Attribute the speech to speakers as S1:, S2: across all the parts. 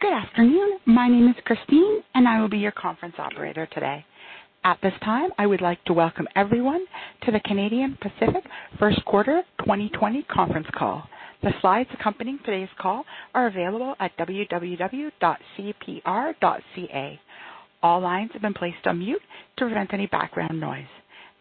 S1: Good afternoon. My name is Christine, I will be your conference operator today. At this time, I would like to welcome everyone to the Canadian Pacific First Quarter 2020 conference call. The slides accompanying today's call are available at www.cpr.ca. All lines have been placed on mute to prevent any background noise.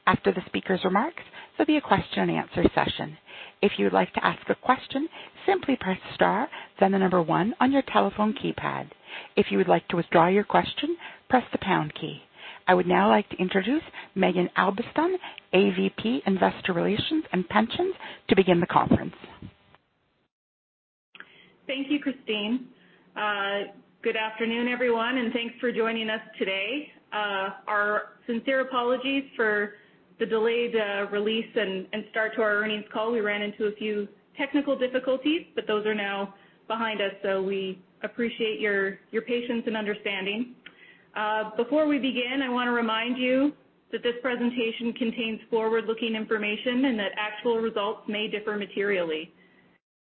S1: After the speaker's remarks, there'll be a question and answer session. If you would like to ask a question, simply press star, the number one on your telephone keypad. If you would like to withdraw your question, press the pound key. I would now like to introduce Maeghan Albiston, AVP, Investor Relations and Pensions, to begin the conference.
S2: Thank you, Christine. Good afternoon, everyone, and thanks for joining us today. Our sincere apologies for the delayed release and start to our earnings call. We ran into a few technical difficulties, but those are now behind us, so we appreciate your patience and understanding. Before we begin, I want to remind you that this presentation contains forward-looking information and that actual results may differ materially.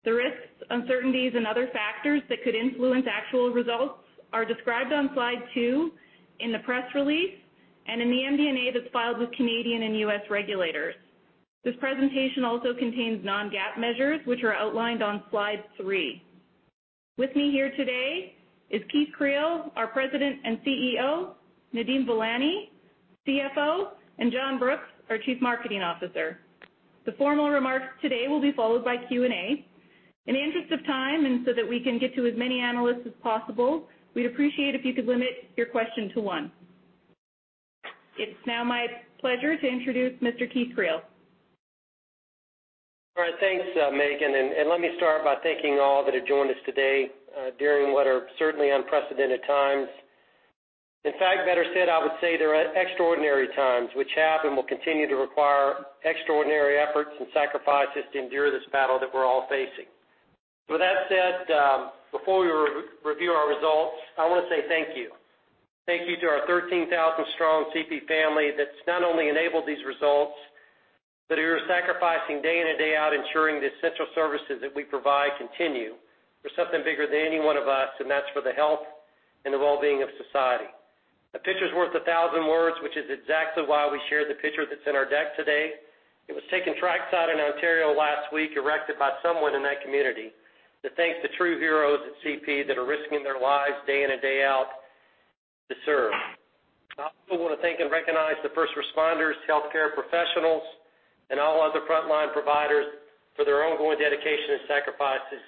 S2: The risks, uncertainties, and other factors that could influence actual results are described on slide two in the press release and in the MD&A that's filed with Canadian and U.S. regulators. This presentation also contains non-GAAP measures, which are outlined on slide three. With me here today is Keith Creel, our President and CEO, Nadeem Velani, CFO, and John Brooks, our Chief Marketing Officer. The formal remarks today will be followed by Q&A. In the interest of time, and so that we can get to as many analysts as possible, we'd appreciate if you could limit your question to one. It's now my pleasure to introduce Mr. Keith Creel.
S3: All right. Thanks, Megan. Let me start by thanking all that have joined us today during what are certainly unprecedented times. In fact, better said, I would say they're extraordinary times, which have and will continue to require extraordinary efforts and sacrifices to endure this battle that we're all facing. With that said, before we review our results, I want to say thank you. Thank you to our 13,000-strong CP family that's not only enabled these results, but who are sacrificing day in and day out ensuring the central services that we provide continue for something bigger than any one of us, and that's for the health and the well-being of society. A picture's worth a thousand words, which is exactly why we share the picture that's in our deck today. It was taken trackside in Ontario last week, erected by someone in that community to thank the true heroes at CP that are risking their lives day in and day out to serve. I also want to thank and recognize the first responders, healthcare professionals, and all other frontline providers for their ongoing dedication and sacrifices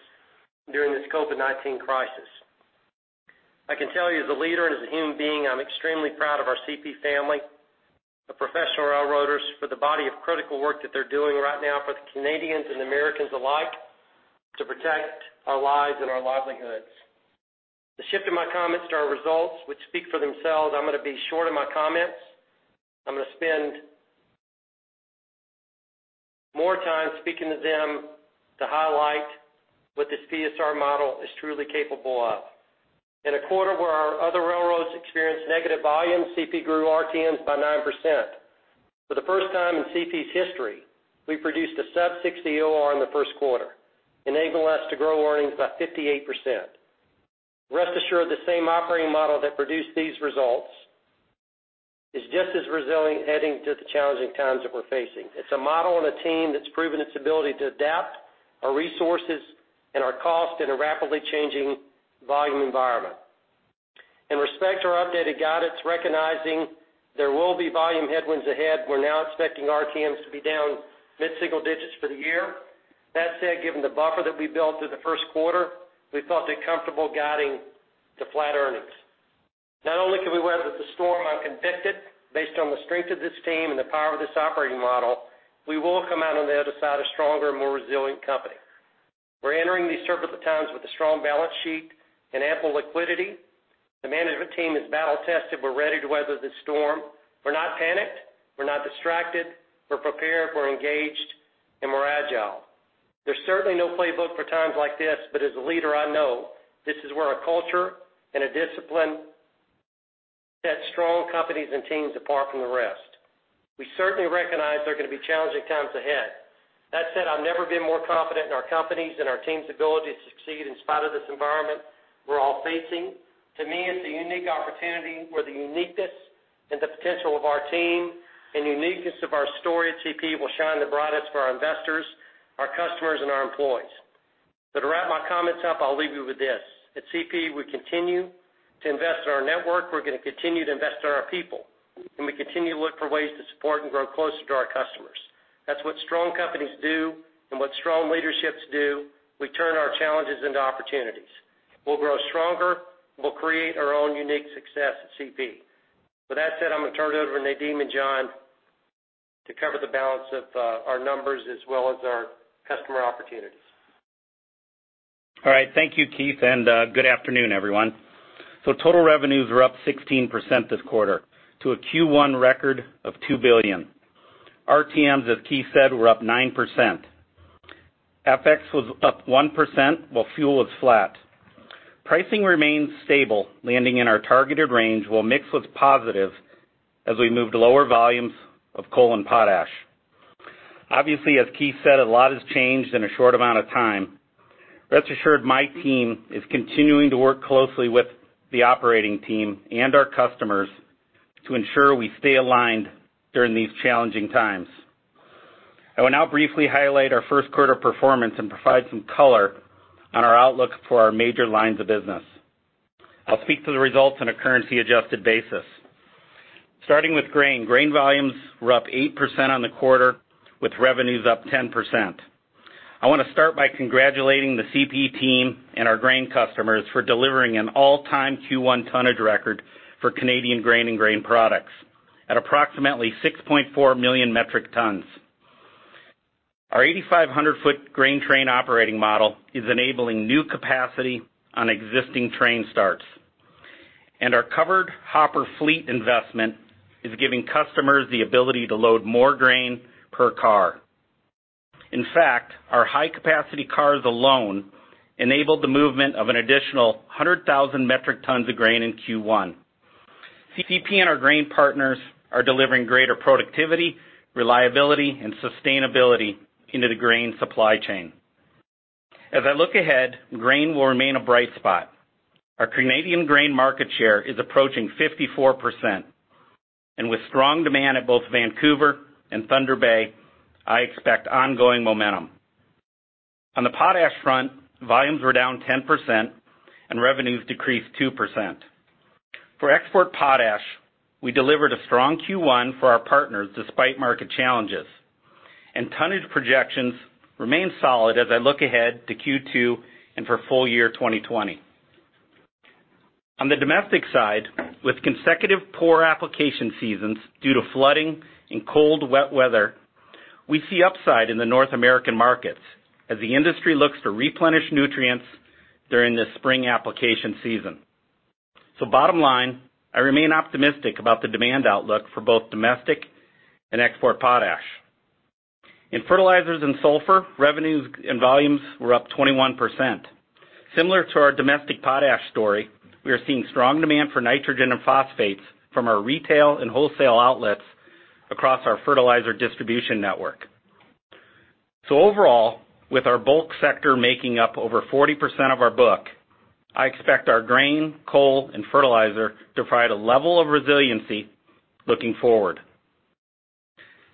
S3: during this COVID-19 crisis. I can tell you, as a leader and as a human being, I'm extremely proud of our CP family, of professional railroaders for the body of critical work that they're doing right now for the Canadians and Americans alike to protect our lives and our livelihoods. To shift in my comments to our results, which speak for themselves, I'm going to be short in my comments. I'm going to spend more time speaking to them to highlight what this PSR model is truly capable of. In a quarter where our other railroads experienced negative volume, CP grew RTMs by 9%. For the first time in CP's history, we produced a sub-60 OR in the first quarter, enabling us to grow earnings by 58%. Rest assured, the same operating model that produced these results is just as resilient heading into the challenging times that we're facing. It's a model and a team that's proven its ability to adapt our resources and our cost in a rapidly changing volume environment. In respect to our updated guidance, recognizing there will be volume headwinds ahead, we're now expecting RTMs to be down mid-single digits for the year. That said, given the buffer that we built in the first quarter, we felt it comfortable guiding to flat earnings. Not only can we weather the storm, I'm convicted, based on the strength of this team and the power of this operating model, we will come out on the other side a stronger and more resilient company. We're entering these turbulent times with a strong balance sheet and ample liquidity. The management team is battle tested. We're ready to weather the storm. We're not panicked, we're not distracted. We're prepared, we're engaged, and we're agile. There's certainly no playbook for times like this, but as a leader, I know this is where a culture and a discipline set strong companies and teams apart from the rest. We certainly recognize there are going to be challenging times ahead. That said, I've never been more confident in our companies and our team's ability to succeed in spite of this environment we're all facing. To me, it's a unique opportunity where the uniqueness and the potential of our team and uniqueness of our story at CP will shine the brightest for our investors, our customers, and our employees. To wrap my comments up, I'll leave you with this. At CP, we continue to invest in our network, we're going to continue to invest in our people, and we continue to look for ways to support and grow closer to our customers. That's what strong companies do and what strong leaderships do. We turn our challenges into opportunities. We'll grow stronger. We'll create our own unique success at CP. With that said, I'm going to turn it over to Nadeem and John to cover the balance of our numbers as well as our customer opportunities.
S4: Thank you, Keith. Good afternoon, everyone. Total revenues were up 16% this quarter to a Q1 record of 2 billion. RTMs, as Keith said, were up 9%. FX was up 1%, while fuel was flat. Pricing remains stable, landing in our targeted range, while mix was positive as we moved lower volumes of coal and potash. As Keith said, a lot has changed in a short amount of time. Rest assured, my team is continuing to work closely with the operating team and our customers to ensure we stay aligned during these challenging times. I will now briefly highlight our first quarter performance and provide some color on our outlook for our major lines of business. I'll speak to the results on a currency-adjusted basis. Starting with grain. Grain volumes were up 8% on the quarter, with revenues up 10%. I want to start by congratulating the CP team and our grain customers for delivering an all-time Q1 tonnage record for Canadian grain and grain products at approximately 6.4 million metric tons. Our 8,500-foot grain train operating model is enabling new capacity on existing train starts, and our covered hopper fleet investment is giving customers the ability to load more grain per car. In fact, our high-capacity cars alone enabled the movement of an additional 100,000 metric tons of grain in Q1. CP and our grain partners are delivering greater productivity, reliability, and sustainability into the grain supply chain. As I look ahead, grain will remain a bright spot. Our Canadian grain market share is approaching 54%, and with strong demand at both Vancouver and Thunder Bay, I expect ongoing momentum. On the potash front, volumes were down 10% and revenues decreased 2%. For export potash, we delivered a strong Q1 for our partners despite market challenges, and tonnage projections remain solid as I look ahead to Q2 and for Full Year 2020. On the domestic side, with consecutive poor application seasons due to flooding and cold, wet weather, we see upside in the North American markets as the industry looks to replenish nutrients during the spring application season. Bottom line, I remain optimistic about the demand outlook for both domestic and export potash. In fertilizers and sulfur, revenues and volumes were up 21%. Similar to our domestic potash story, we are seeing strong demand for nitrogen and phosphates from our retail and wholesale outlets across our fertilizer distribution network. Overall, with our bulk sector making up over 40% of our book, I expect our grain, coal, and fertilizer to provide a level of resiliency looking forward.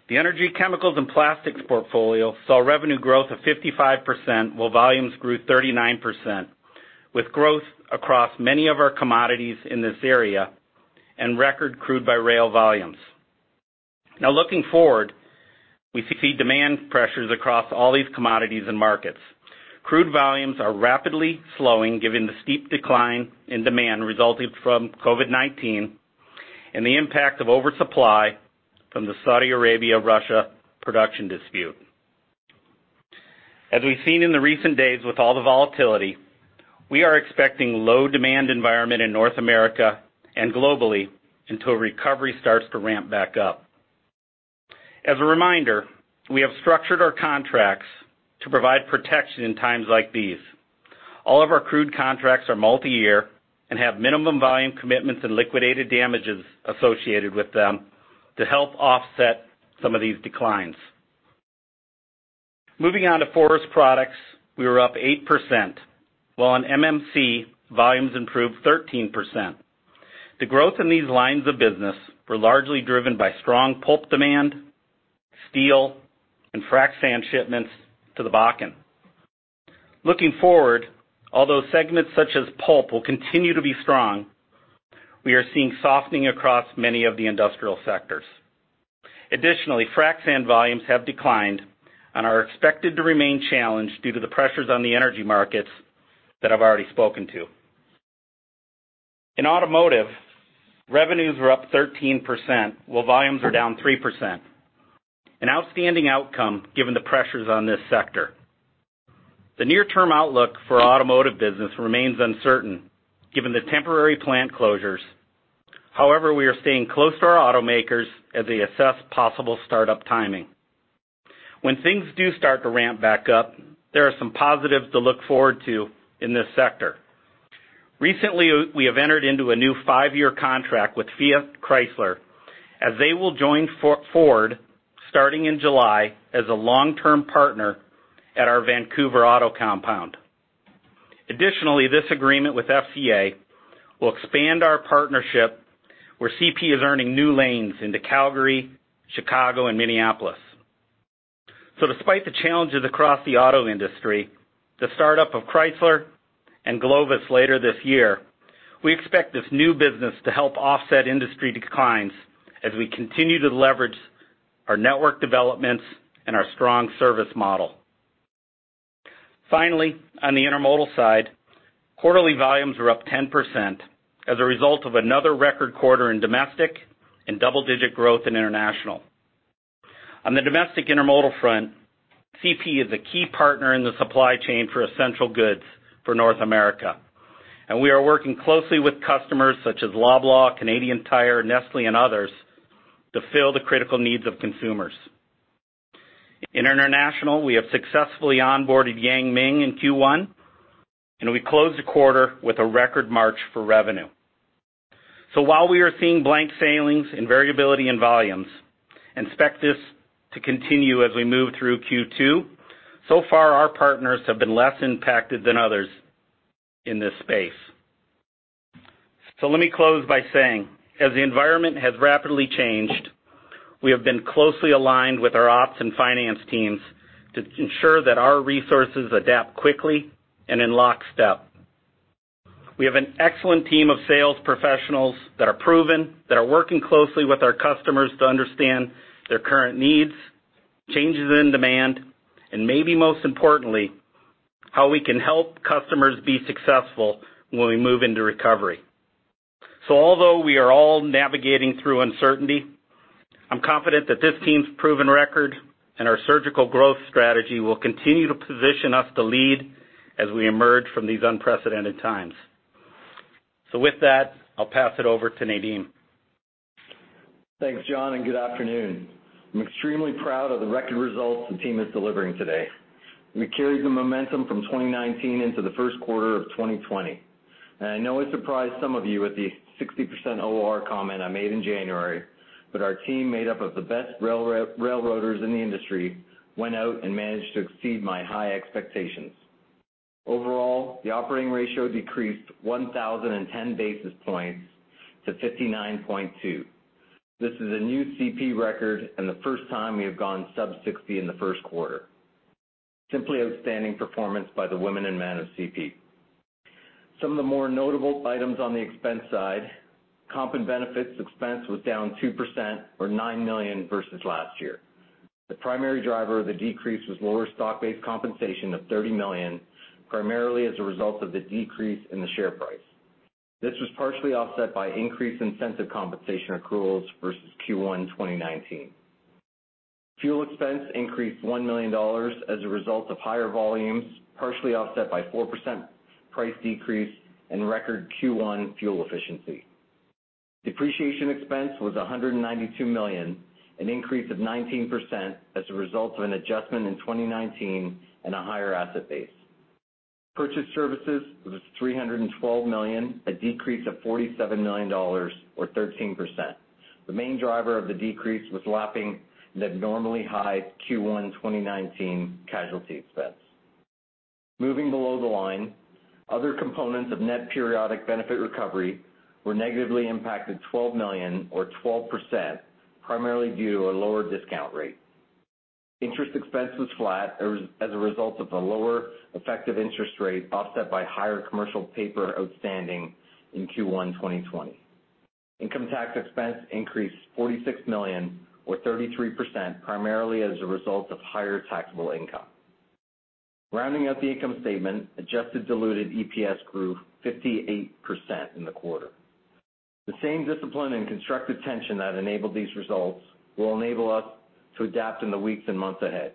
S4: The energy, chemicals, and plastics portfolio saw revenue growth of 55%, while volumes grew 39%, with growth across many of our commodities in this area and record crude-by-rail volumes. Looking forward, we see demand pressures across all these commodities and markets. Crude volumes are rapidly slowing given the steep decline in demand resulting from COVID-19 and the impact of oversupply from the Saudi Arabia-Russia production dispute. As we've seen in the recent days with all the volatility, we are expecting low demand environment in North America and globally until recovery starts to ramp back up. As a reminder, we have structured our contracts to provide protection in times like these. All of our crude contracts are multi-year and have minimum volume commitments and liquidated damages associated with them to help offset some of these declines. Moving on to forest products, we were up 8%, while on MMC, volumes improved 13%. The growth in these lines of business were largely driven by strong pulp demand, steel, and frac sand shipments to the Bakken. Looking forward, although segments such as pulp will continue to be strong, we are seeing softening across many of the industrial sectors. Additionally, frac sand volumes have declined and are expected to remain challenged due to the pressures on the energy markets that I've already spoken to. In automotive, revenues were up 13%, while volumes are down 3%. An outstanding outcome, given the pressures on this sector. The near-term outlook for automotive business remains uncertain given the temporary plant closures. However, we are staying close to our automakers as they assess possible startup timing. When things do start to ramp back up, there are some positives to look forward to in this sector. Recently, we have entered into a new five-year contract with Fiat Chrysler, as they will join Ford, starting in July, as a long-term partner at our Vancouver auto compound. Additionally, this agreement with FCA will expand our partnership where CP is earning new lanes into Calgary, Chicago, and Minneapolis. Despite the challenges across the auto industry, the startup of Chrysler and Glovis later this year, we expect this new business to help offset industry declines as we continue to leverage our network developments and our strong service model. Finally, on the intermodal side, quarterly volumes were up 10% as a result of another record quarter in domestic and double-digit growth in international. On the domestic intermodal front, CP is a key partner in the supply chain for essential goods for North America, and we are working closely with customers such as Loblaw, Canadian Tire, Nestlé, and others to fill the critical needs of consumers. In international, we have successfully onboarded Yang Ming in Q1, and we closed the quarter with a record March for revenue. While we are seeing blank sailings and variability in volumes, and expect this to continue as we move through Q2, so far, our partners have been less impacted than others in this space. Let me close by saying, as the environment has rapidly changed, we have been closely aligned with our ops and finance teams to ensure that our resources adapt quickly and in lockstep. We have an excellent team of sales professionals that are proven, that are working closely with our customers to understand their current needs, changes in demand, and maybe most importantly, how we can help customers be successful when we move into recovery. Although we are all navigating through uncertainty, I'm confident that this team's proven record and our surgical growth strategy will continue to position us to lead as we emerge from these unprecedented times. With that, I'll pass it over to Nadeem.
S5: Thanks, John. Good afternoon. I'm extremely proud of the record results the team is delivering today. We carried the momentum from 2019 into the first quarter of 2020. I know I surprised some of you with the 60% OR comment I made in January, but our team, made up of the best railroaders in the industry, went out and managed to exceed my high expectations. Overall, the operating ratio decreased 1,010 basis points to 59.2. This is a new CP record and the first time we have gone sub-60 in the first quarter. Simply outstanding performance by the women and men of CP. Some of the more notable items on the expense side, comp and benefits expense was down 2% or 9 million versus last year. The primary driver of the decrease was lower stock-based compensation of 30 million, primarily as a result of the decrease in the share price. This was partially offset by increased incentive compensation accruals versus Q1 2019. Fuel expense increased 1 million dollars as a result of higher volumes, partially offset by 4% price decrease and record Q1 fuel efficiency. Depreciation expense was 192 million, an increase of 19% as a result of an adjustment in 2019 and a higher asset base. Purchased services was 312 million, a decrease of 47 million dollars or 13%. The main driver of the decrease was lapping the abnormally high Q1 2019 casualty expense. Moving below the line, other components of net periodic benefit recovery were negatively impacted 12 million or 12%, primarily due to a lower discount rate. Interest expense was flat as a result of a lower effective interest rate, offset by higher commercial paper outstanding in Q1 2020. Income tax expense increased 46 million or 33%, primarily as a result of higher taxable income. Rounding out the income statement, adjusted diluted EPS grew 58% in the quarter. The same discipline and constructive tension that enabled these results will enable us to adapt in the weeks and months ahead.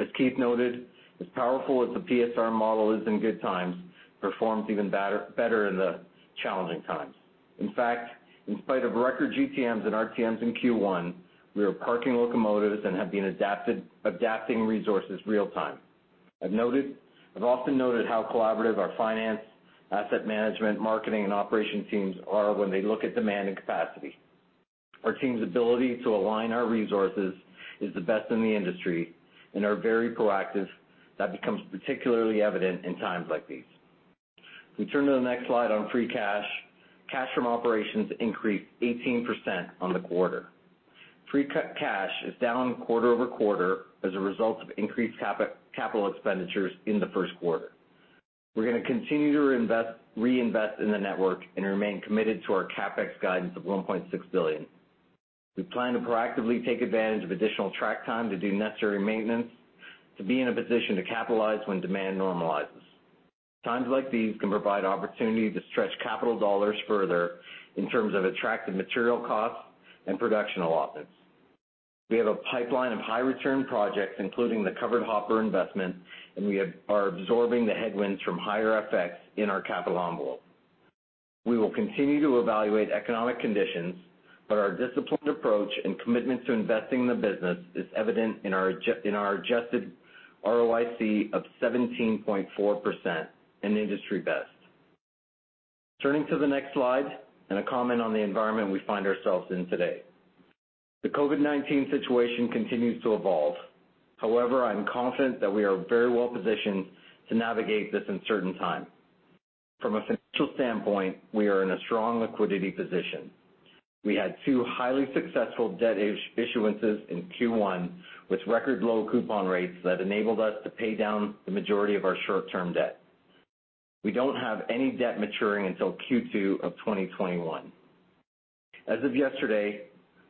S5: As Keith noted, as powerful as the PSR model is in good times, performs even better in the challenging times. In fact, in spite of record GTMs and RTMs in Q1, we are parking locomotives and have been adapting resources real time. I've often noted how collaborative our finance, asset management, marketing, and operation teams are when they look at demand and capacity. Our team's ability to align our resources is the best in the industry and are very proactive. That becomes particularly evident in times like these. We turn to the next slide on free cash. Cash from operations increased 18% on the quarter. Free cash is down quarter-over-quarter as a result of increased capital expenditures in the first quarter. We're going to continue to reinvest in the network and remain committed to our CapEx guidance of 1.6 billion. We plan to proactively take advantage of additional track time to do necessary maintenance to be in a position to capitalize when demand normalizes. Times like these can provide opportunity to stretch capital dollars further in terms of attractive material costs and production allotments. We have a pipeline of high return projects, including the covered hopper investment, and we are absorbing the headwinds from higher FX in our capital envelope. We will continue to evaluate economic conditions, our disciplined approach and commitment to investing in the business is evident in our adjusted ROIC of 17.4%, an industry best. Turning to the next slide and a comment on the environment we find ourselves in today. The COVID-19 situation continues to evolve. However, I am confident that we are very well positioned to navigate this uncertain time. From a financial standpoint, we are in a strong liquidity position. We had two highly successful debt issuances in Q1 with record low coupon rates that enabled us to pay down the majority of our short-term debt. We don't have any debt maturing until Q2 of 2021. As of yesterday,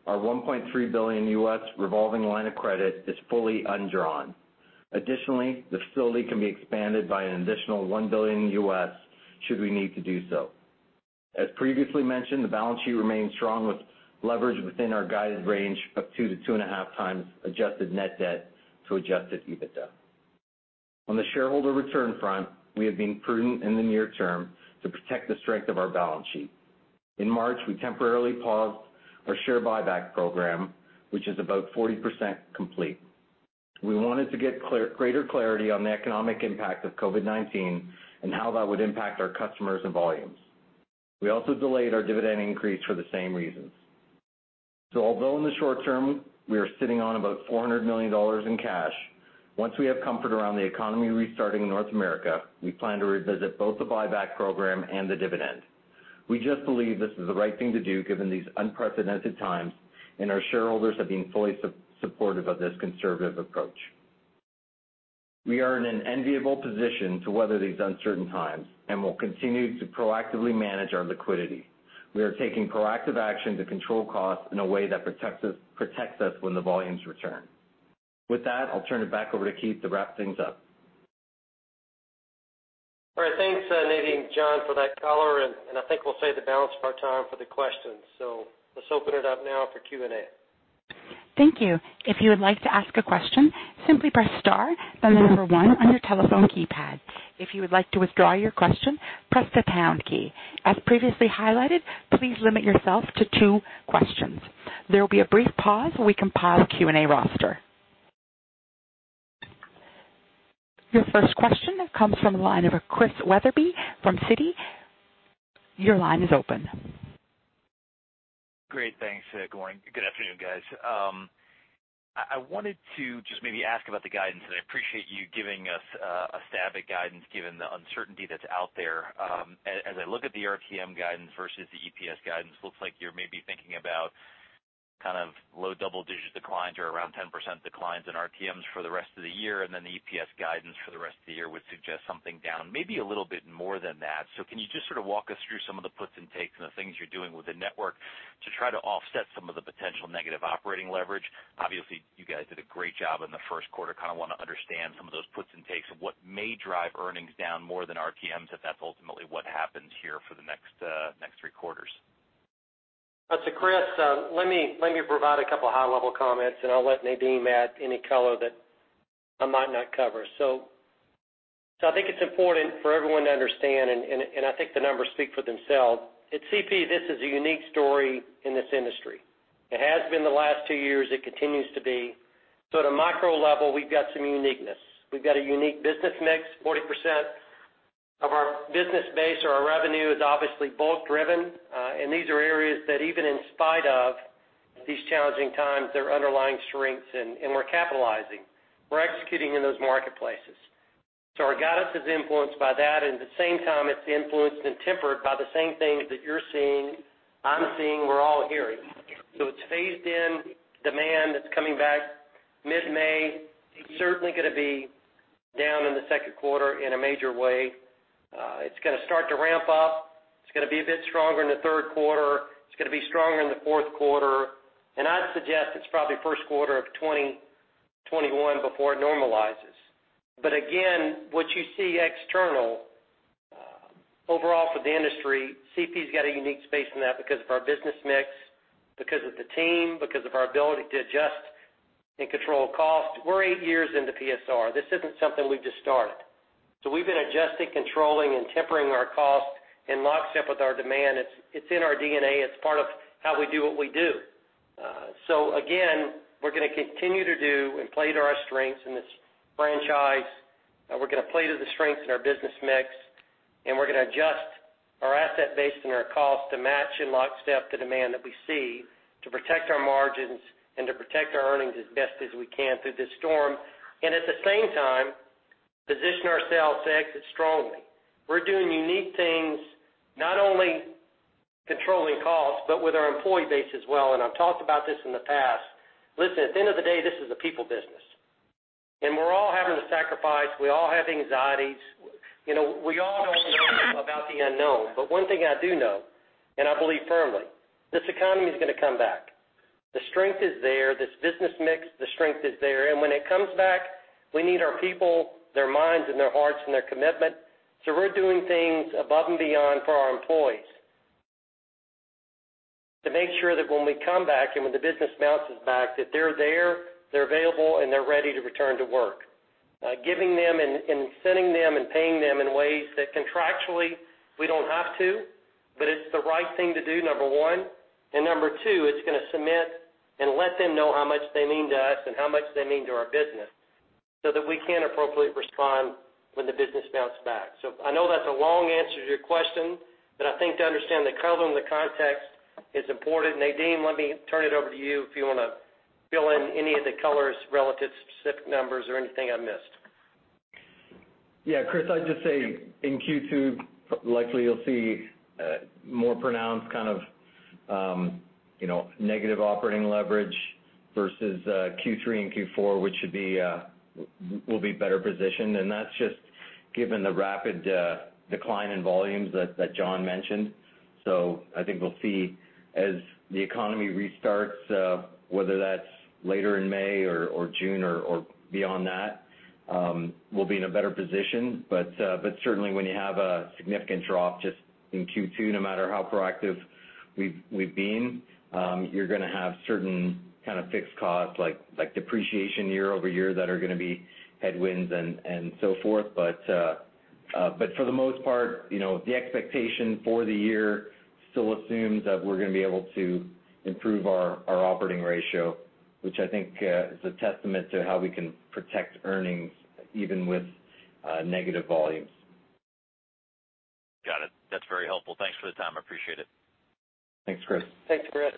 S5: our $1.3 billion U.S. revolving line of credit is fully undrawn. Additionally, the facility can be expanded by an additional $1 billion U.S. should we need to do so. As previously mentioned, the balance sheet remains strong with leverage within our guided range of 2x- 2.5x adjusted net debt to adjusted EBITDA. On the shareholder return front, we have been prudent in the near term to protect the strength of our balance sheet. In March, we temporarily paused our share buyback program, which is about 40% complete. We wanted to get greater clarity on the economic impact of COVID-19 and how that would impact our customers and volumes. We also delayed our dividend increase for the same reasons. Although in the short term, we are sitting on about 400 million dollars in cash, once we have comfort around the economy restarting in North America, we plan to revisit both the buyback program and the dividend. We just believe this is the right thing to do given these unprecedented times, and our shareholders have been fully supportive of this conservative approach. We are in an enviable position to weather these uncertain times, and we'll continue to proactively manage our liquidity. We are taking proactive action to control costs in a way that protects us when the volumes return. With that, I'll turn it back over to Keith to wrap things up.
S3: All right. Thanks, Nadeem, John, for that color. I think we'll save the balance of our time for the questions. Let's open it up now for Q&A.
S1: Thank you. If you would like to ask a question, simply press star, then the number one on your telephone keypad. If you would like to withdraw your question, press the pound key. As previously highlighted, please limit yourself to two questions. There will be a brief pause while we compile the Q&A roster. Your first question comes from the line of Christian Wetherbee from Citi. Your line is open.
S6: Great. Thanks. Good afternoon, guys. I wanted to just maybe ask about the guidance, and I appreciate you giving us a stab at guidance given the uncertainty that's out there. As I look at the RTM guidance versus the EPS guidance, looks like you're maybe thinking about low double-digit declines or around 10% declines in RTMs for the rest of the year, and then the EPS guidance for the rest of the year would suggest something down maybe a little bit more than that. Can you just sort of walk us through some of the puts and takes and the things you're doing with the network to try to offset some of the potential negative operating leverage? Obviously, you guys did a great job in the first quarter. Kind of want to understand some of those puts and takes of what may drive earnings down more than RTMs, if that's ultimately what happens here for the next three quarters.
S3: Chris, let me provide a couple of high-level comments, and I'll let Nadeem add any color that I might not cover. I think it's important for everyone to understand, and I think the numbers speak for themselves. At CP, this is a unique story in this industry. It has been the last two years, it continues to be. At a micro level, we've got some uniqueness. We've got a unique business mix, 40% of our business base or our revenue is obviously bulk driven. These are areas that even in spite of these challenging times, there are underlying strengths, and we're capitalizing. We're executing in those marketplaces. Our guidance is influenced by that, and at the same time, it's influenced and tempered by the same things that you're seeing, I'm seeing, we're all hearing. It's phased in demand that's coming back mid-May. It's certainly going to be down in the second quarter in a major way. It's going to start to ramp up. It's going to be a bit stronger in the third quarter. It's going to be stronger in the fourth quarter. I'd suggest it's probably first quarter of 2021 before it normalizes. Again, what you see external, overall for the industry, CP's got a unique space in that because of our business mix, because of the team, because of our ability to adjust and control cost. We're eight years into PSR. This isn't something we've just started. We've been adjusting, controlling, and tempering our cost in lockstep with our demand. It's in our DNA. It's part of how we do what we do. Again, we're going to continue to do and play to our strengths in this franchise. We're going to play to the strengths in our business mix, and we're going to adjust our asset base and our cost to match in lockstep the demand that we see to protect our margins and to protect our earnings as best as we can through this storm, and at the same time, position ourselves to exit strongly. We're doing unique things, not only controlling costs, but with our employee base as well, and I've talked about this in the past. Listen, at the end of the day, this is a people business. We're all having to sacrifice. We all have anxieties. We all don't know about the unknown. One thing I do know, and I believe firmly, this economy is going to come back. The strength is there. This business mix, the strength is there. When it comes back, we need our people, their minds and their hearts and their commitment. We're doing things above and beyond for our employees to make sure that when we come back and when the business bounces back, that they're there, they're available, and they're ready to return to work. Giving them and sending them and paying them in ways that contractually we don't have to, but it's the right thing to do, number one, and number two, it's going to cement and let them know how much they mean to us and how much they mean to our business so that we can appropriately respond when the business bounce back. I know that's a long answer to your question, but I think to understand the color and the context is important. Nadeem, let me turn it over to you if you want to fill in any of the colors relative to specific numbers or anything I missed.
S5: Yeah, Chris, I'd just say in Q2, likely you'll see more pronounced kind of negative operating leverage versus Q3 and Q4, which will be better positioned. That's just given the rapid decline in volumes that John mentioned. I think we'll see as the economy restarts, whether that's later in May or June or beyond that, we'll be in a better position. Certainly when you have a significant drop just in Q2, no matter how proactive we've been, you're going to have certain kind of fixed costs like depreciation year-over-year that are going to be headwinds and so forth. For the most part, the expectation for the year still assumes that we're going to be able to improve our operating ratio, which I think is a testament to how we can protect earnings even with negative volumes.
S6: Got it. That's very helpful. Thanks for the time. I appreciate it.
S5: Thanks, Chris.
S3: Thanks, Chris.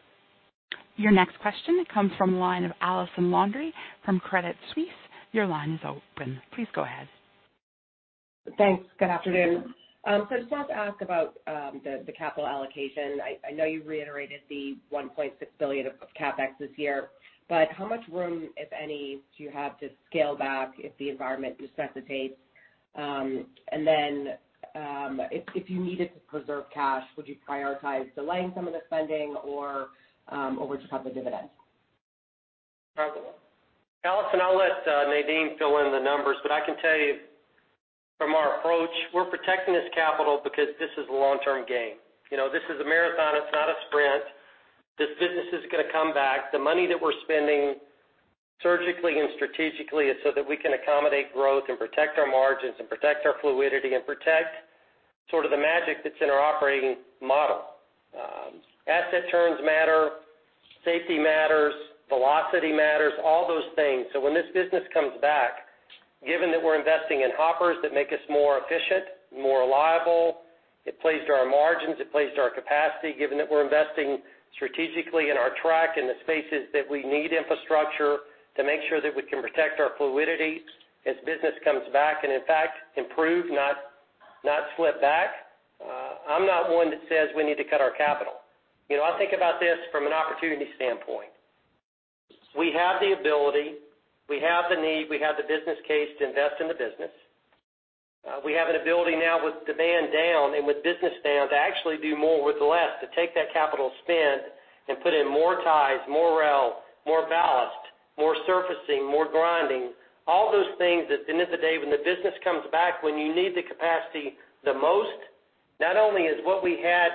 S1: Your next question comes from the line of Allison Landry from Credit Suisse. Your line is open. Please go ahead.
S7: Thanks. I just wanted to ask about the capital allocation. I know you reiterated the 1.6 billion of CapEx this year, but how much room, if any, do you have to scale back if the environment necessitates? If you needed to preserve cash, would you prioritize delaying some of the spending, or would you cut the dividend?
S3: Allison, I'll let Nadeem fill in the numbers, but I can tell you from our approach, we're protecting this capital because this is a long-term game. This is a marathon, it's not a sprint. This business is going to come back. The money that we're spending surgically and strategically is so that we can accommodate growth and protect our margins, and protect our fluidity, and protect sort of the magic that's in our operating model. Asset turns matter, safety matters, velocity matters, all those things. When this business comes back, given that we're investing in hoppers that make us more efficient, more reliable, it plays to our margins, it plays to our capacity. Given that we're investing strategically in our track in the spaces that we need infrastructure to make sure that we can protect our fluidity as business comes back and in fact improve, not slip back. I'm not one that says we need to cut our capital. I think about this from an opportunity standpoint. We have the ability, we have the need, we have the business case to invest in the business. We have an ability now with demand down and with business down to actually do more with less, to take that capital spend and put in more ties, more rail, more ballast, more surfacing, more grinding. All those things that at the end of the day, when the business comes back, when you need the capacity the most, not only is what we had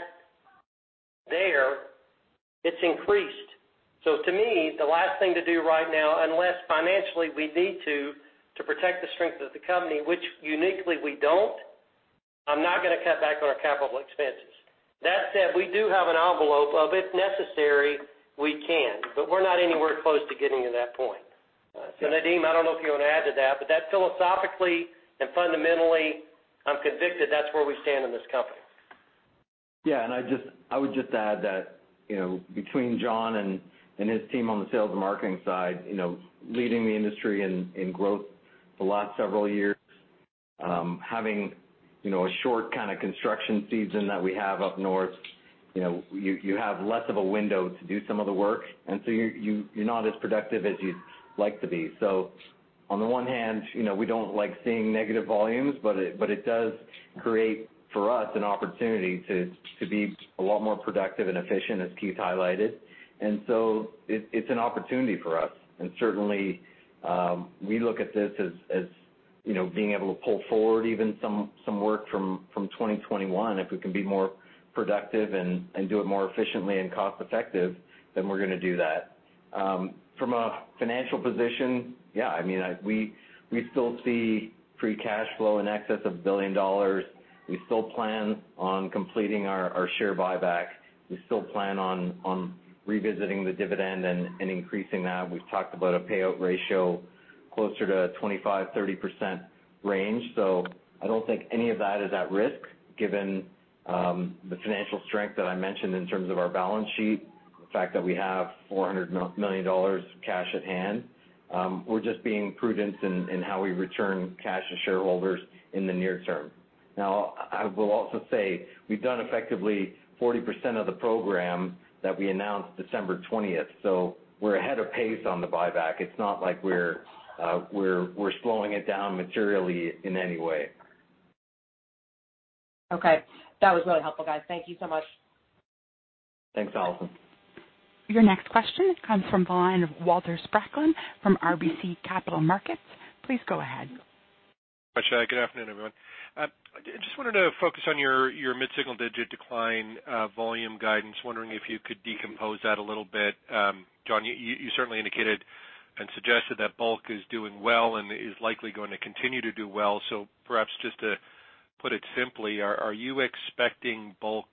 S3: there, it's increased. To me, the last thing to do right now, unless financially we need to protect the strength of the company, which uniquely we don't, I'm not going to cut back on our capital expenses. That said, we do have an envelope of if necessary, we can. We're not anywhere close to getting to that point. Nadeem, I don't know if you want to add to that, but that philosophically and fundamentally, I'm convicted that's where we stand in this company.
S5: I would just add that between John and his team on the sales and marketing side leading the industry in growth the last several years, having a short kind of construction season that we have up north, you have less of a window to do some of the work, you're not as productive as you'd like to be. On the one hand, we don't like seeing negative volumes, but it does create, for us, an opportunity to be a lot more productive and efficient as Keith highlighted. It's an opportunity for us. Certainly, we look at this as being able to pull forward even some work from 2021 if we can be more productive and do it more efficiently and cost-effective, we're going to do that. From a financial position, we still see free cash flow in excess of 1 billion dollars. We still plan on completing our share buyback. We still plan on revisiting the dividend and increasing that. We've talked about a payout ratio closer to 25%-30% range. I don't think any of that is at risk given the financial strength that I mentioned in terms of our balance sheet, the fact that we have 400 million dollars cash at hand. We're just being prudent in how we return cash to shareholders in the near term. Now, I will also say we've done effectively 40% of the program that we announced December 20th. We're ahead of pace on the buyback. It's not like we're slowing it down materially in any way.
S7: Okay. That was really helpful, guys. Thank you so much.
S5: Thanks, Allison.
S1: Your next question comes from the line of Walter Spracklin from RBC Capital Markets. Please go ahead.
S8: Good afternoon, everyone. I just wanted to focus on your mid-single-digit decline volume guidance. Wondering if you could decompose that a little bit. John, you certainly indicated and suggested that bulk is doing well and is likely going to continue to do well. Perhaps just to put it simply, are you expecting bulk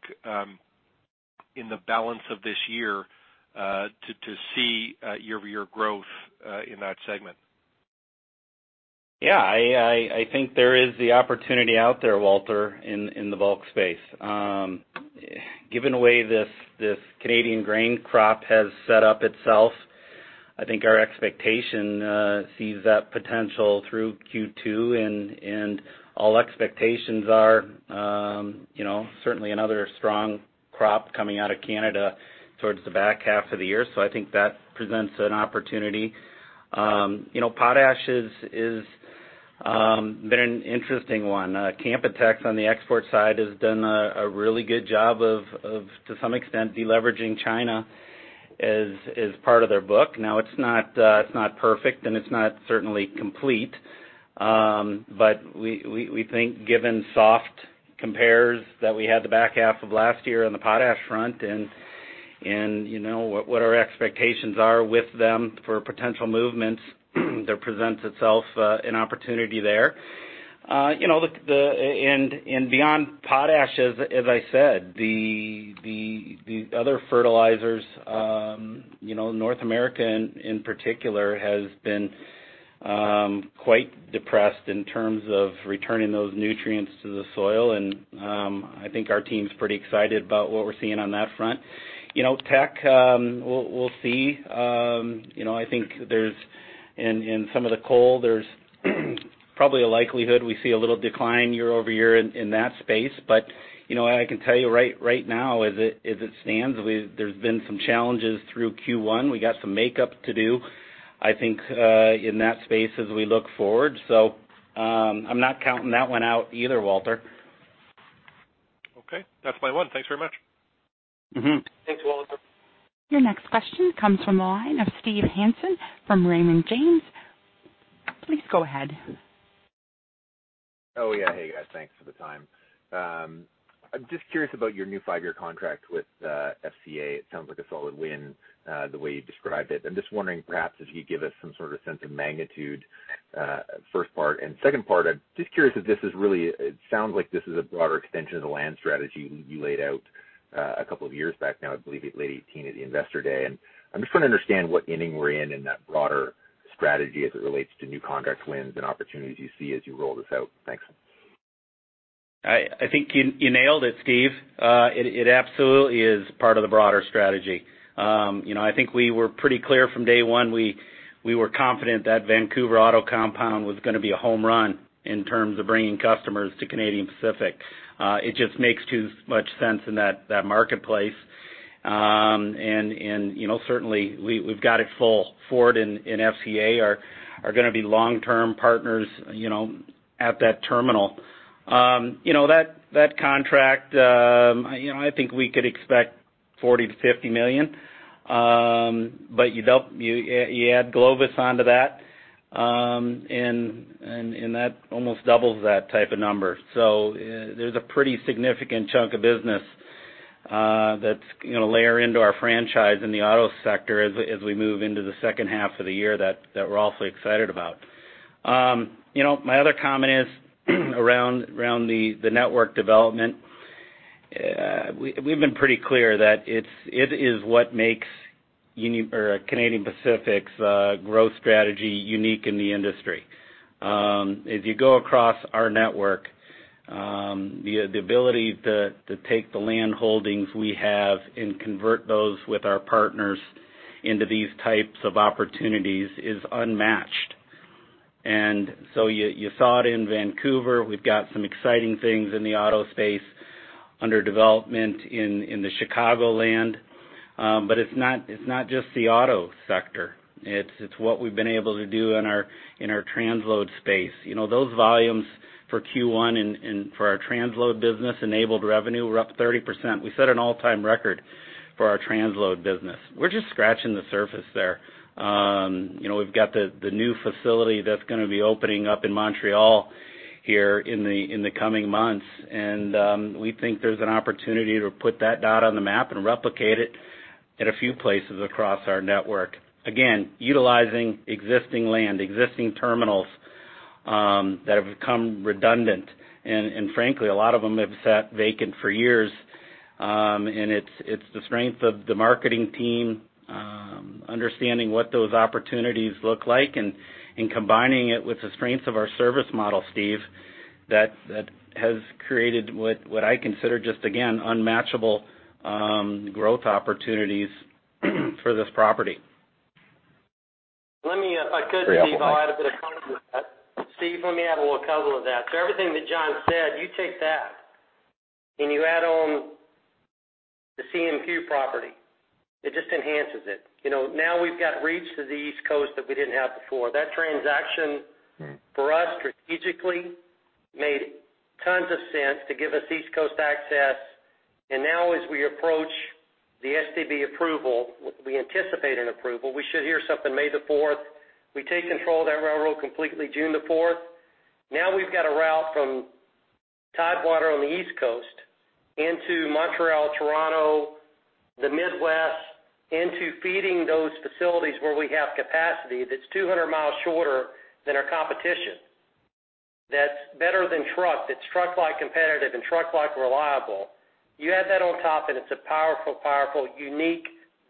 S8: in the balance of this year to see year-over-year growth in that segment?
S4: Yeah, I think there is the opportunity out there, Walter, in the bulk space. Given the way this Canadian grain crop has set up itself, I think our expectation sees that potential through Q2 and all expectations are certainly another strong crop coming out of Canada towards the back half of the year. I think that presents an opportunity. Potash has been an interesting one. Canpotex on the export side has done a really good job of, to some extent, de-leveraging China as part of their book. Now it's not perfect and it's not certainly complete. We think given soft compares that we had the back half of last year on the potash front and. What our expectations are with them for potential movements that presents itself an opportunity there. Beyond potash, as I said, the other fertilizers, North America in particular has been quite depressed in terms of returning those nutrients to the soil, and I think our team's pretty excited about what we're seeing on that front. Teck, we'll see. I think in some of the coal, there's probably a likelihood we see a little decline year-over-year in that space. What I can tell you right now, as it stands, there's been some challenges through Q1. We got some makeup to do, I think, in that space as we look forward. I'm not counting that one out either, Walter.
S8: Okay. That's my one. Thanks very much.
S4: Thanks, Walter.
S1: Your next question comes from the line of Steve Hansen from Raymond James. Please go ahead.
S9: Oh, yeah. Hey, guys. Thanks for the time. I'm just curious about your new five-year contract with FCA. It sounds like a solid win, the way you described it. I'm just wondering perhaps if you'd give us some sort of sense of magnitude, first part. Second part, I'm just curious. It sounds like this is a broader extension of the land strategy you laid out a couple of years back now, I believe late 2018 at the Investor Day. I'm just trying to understand what inning we're in in that broader strategy as it relates to new contract wins and opportunities you see as you roll this out. Thanks.
S4: I think you nailed it, Steve. It absolutely is part of the broader strategy. I think we were pretty clear from day one, we were confident that Vancouver Auto Compound was going to be a home run in terms of bringing customers to Canadian Pacific. It just makes too much sense in that marketplace. Certainly, we've got it full. Ford and FCA are going to be long-term partners at that terminal. That contract, I think we could expect 40 million to 50 million. You add Glovis onto that, and that almost doubles that type of number. There's a pretty significant chunk of business that's going to layer into our franchise in the auto sector as we move into the second half of the year that we're awfully excited about. My other comment is around the network development. We've been pretty clear that it is what makes Canadian Pacific's growth strategy unique in the industry. If you go across our network, the ability to take the land holdings we have and convert those with our partners into these types of opportunities is unmatched. You saw it in Vancouver. We've got some exciting things in the auto space under development in the Chicagoland. It's not just the auto sector. It's what we've been able to do in our transload space. Those volumes for Q1 and for our transload business enabled revenue were up 30%. We set an all-time record for our transload business. We're just scratching the surface there. We've got the new facility that's going to be opening up in Montreal here in the coming months. We think there's an opportunity to put that dot on the map and replicate it in a few places across our network. Again, utilizing existing land, existing terminals that have become redundant. Frankly, a lot of them have sat vacant for years. It's the strength of the marketing team understanding what those opportunities look like and combining it with the strengths of our service model, Steve, that has created what I consider just, again, unmatchable growth opportunities for this property.
S3: Let me, if I could, Steve, I'll add a bit of comment to that. Steve, let me add a little color to that. Everything that John said, you take that and you add on the CMQ property. It just enhances it. Now we've got reach to the East Coast that we didn't have before. That transaction, for us, strategically made tons of sense to give us East Coast access. And now as we approach the STB approval, we anticipate an approval. We should hear something May 4th. We take control of that railroad completely June 4th. Now we've got a route from Tidewater on the East Coast into Montreal, Toronto, the Midwest, into feeding those facilities where we have capacity that's 200 miles shorter than our competition. That's better than truck. That's truck-like competitive and truck-like reliable. You add that on top, it's a powerful, unique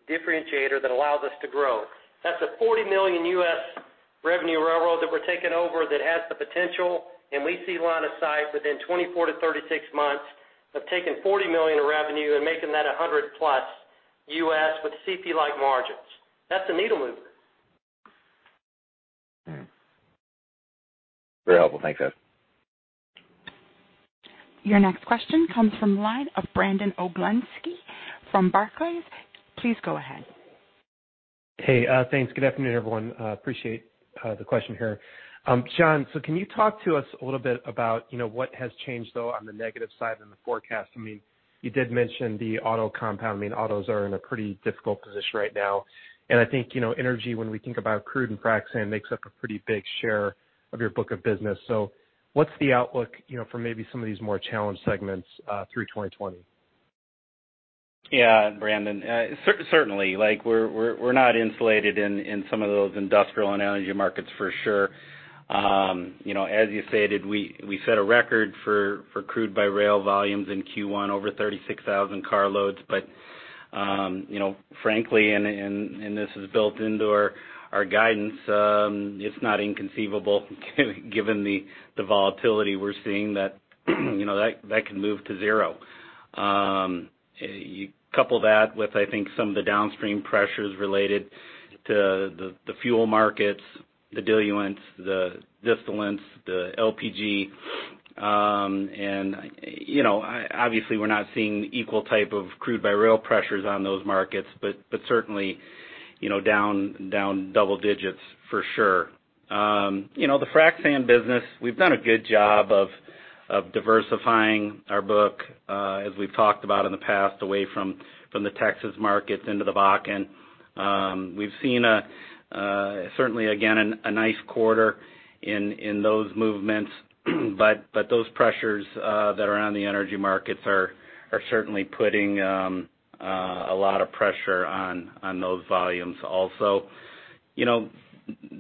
S3: differentiator that allows us to grow. That's a $40 million U.S. Revenue railroad that we're taking over that has the potential, and we see line of sight within 24 to 36 months of taking $40 million of revenue and making that 100-plus US with CP-like margins. That's a needle mover.
S9: Very helpful. Thanks, guys.
S1: Your next question comes from the line of Brandon Oglenski from Barclays. Please go ahead.
S10: Hey. Thanks. Good afternoon, everyone. Appreciate the question here. John, can you talk to us a little bit about what has changed, though, on the negative side in the forecast? You did mention the auto compound. Autos are in a pretty difficult position right now, and I think energy, when we think about crude and frac sand, makes up a pretty big share of your book of business. What's the outlook for maybe some of these more challenged segments, through 2020?
S4: Yeah, Brandon, certainly. We're not insulated in some of those industrial and energy markets for sure. As you stated, we set a record for crude by rail volumes in Q1, over 36,000 car loads. Frankly, and this is built into our guidance, it's not inconceivable given the volatility we're seeing that can move to zero. You couple that with, I think, some of the downstream pressures related to the fuel markets, the diluents, the distillates, the LPG. Obviously we're not seeing equal type of crude by rail pressures on those markets. Certainly, down double digits for sure. The frac sand business, we've done a good job of diversifying our book, as we've talked about in the past, away from the Texas markets into the Bakken. We've seen certainly, again, a nice quarter in those movements. Those pressures that are on the energy markets are certainly putting a lot of pressure on those volumes also.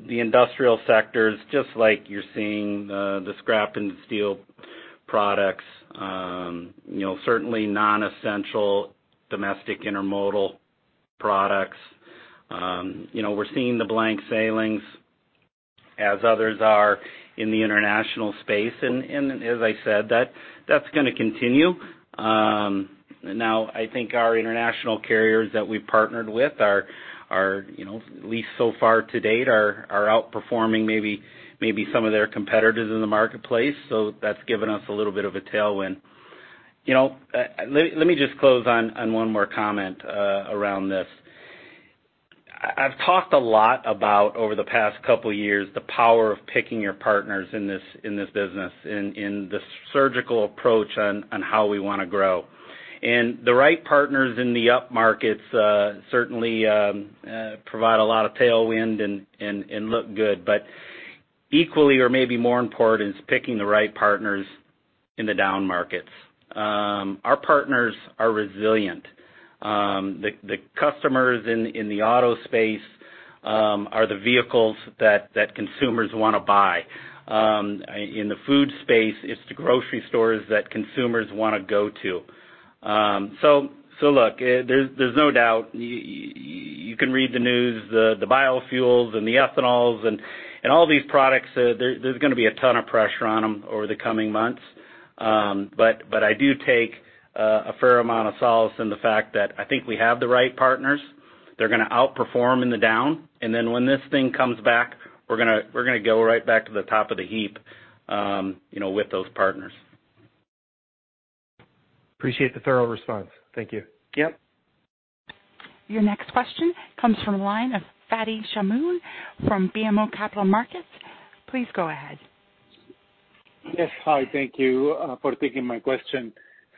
S4: The industrial sectors, just like you're seeing the scrap and steel products. Certainly non-essential domestic intermodal products. We're seeing the blank sailings as others are in the international space. As I said, that's going to continue. I think our international carriers that we've partnered with are, at least so far to date, are outperforming maybe some of their competitors in the marketplace. That's given us a little bit of a tailwind. Let me just close on one more comment around this. I've talked a lot about, over the past couple of years, the power of picking your partners in this business, and the surgical approach on how we want to grow. The right partners in the up markets certainly provide a lot of tailwind and look good. Equally or maybe more important is picking the right partners in the down markets. Our partners are resilient. The customers in the auto space are the vehicles that consumers want to buy. In the food space, it's the grocery stores that consumers want to go to. Look, there's no doubt you can read the news, the biofuels and the ethanols and all these products, there's going to be a ton of pressure on them over the coming months. I do take a fair amount of solace in the fact that I think we have the right partners. They're going to outperform in the down, and then when this thing comes back, we're going to go right back to the top of the heap with those partners.
S10: Appreciate the thorough response. Thank you.
S4: Yep.
S1: Your next question comes from the line of Fadi Chamoun from BMO Capital Markets. Please go ahead.
S11: Yes. Hi, thank you for taking my question.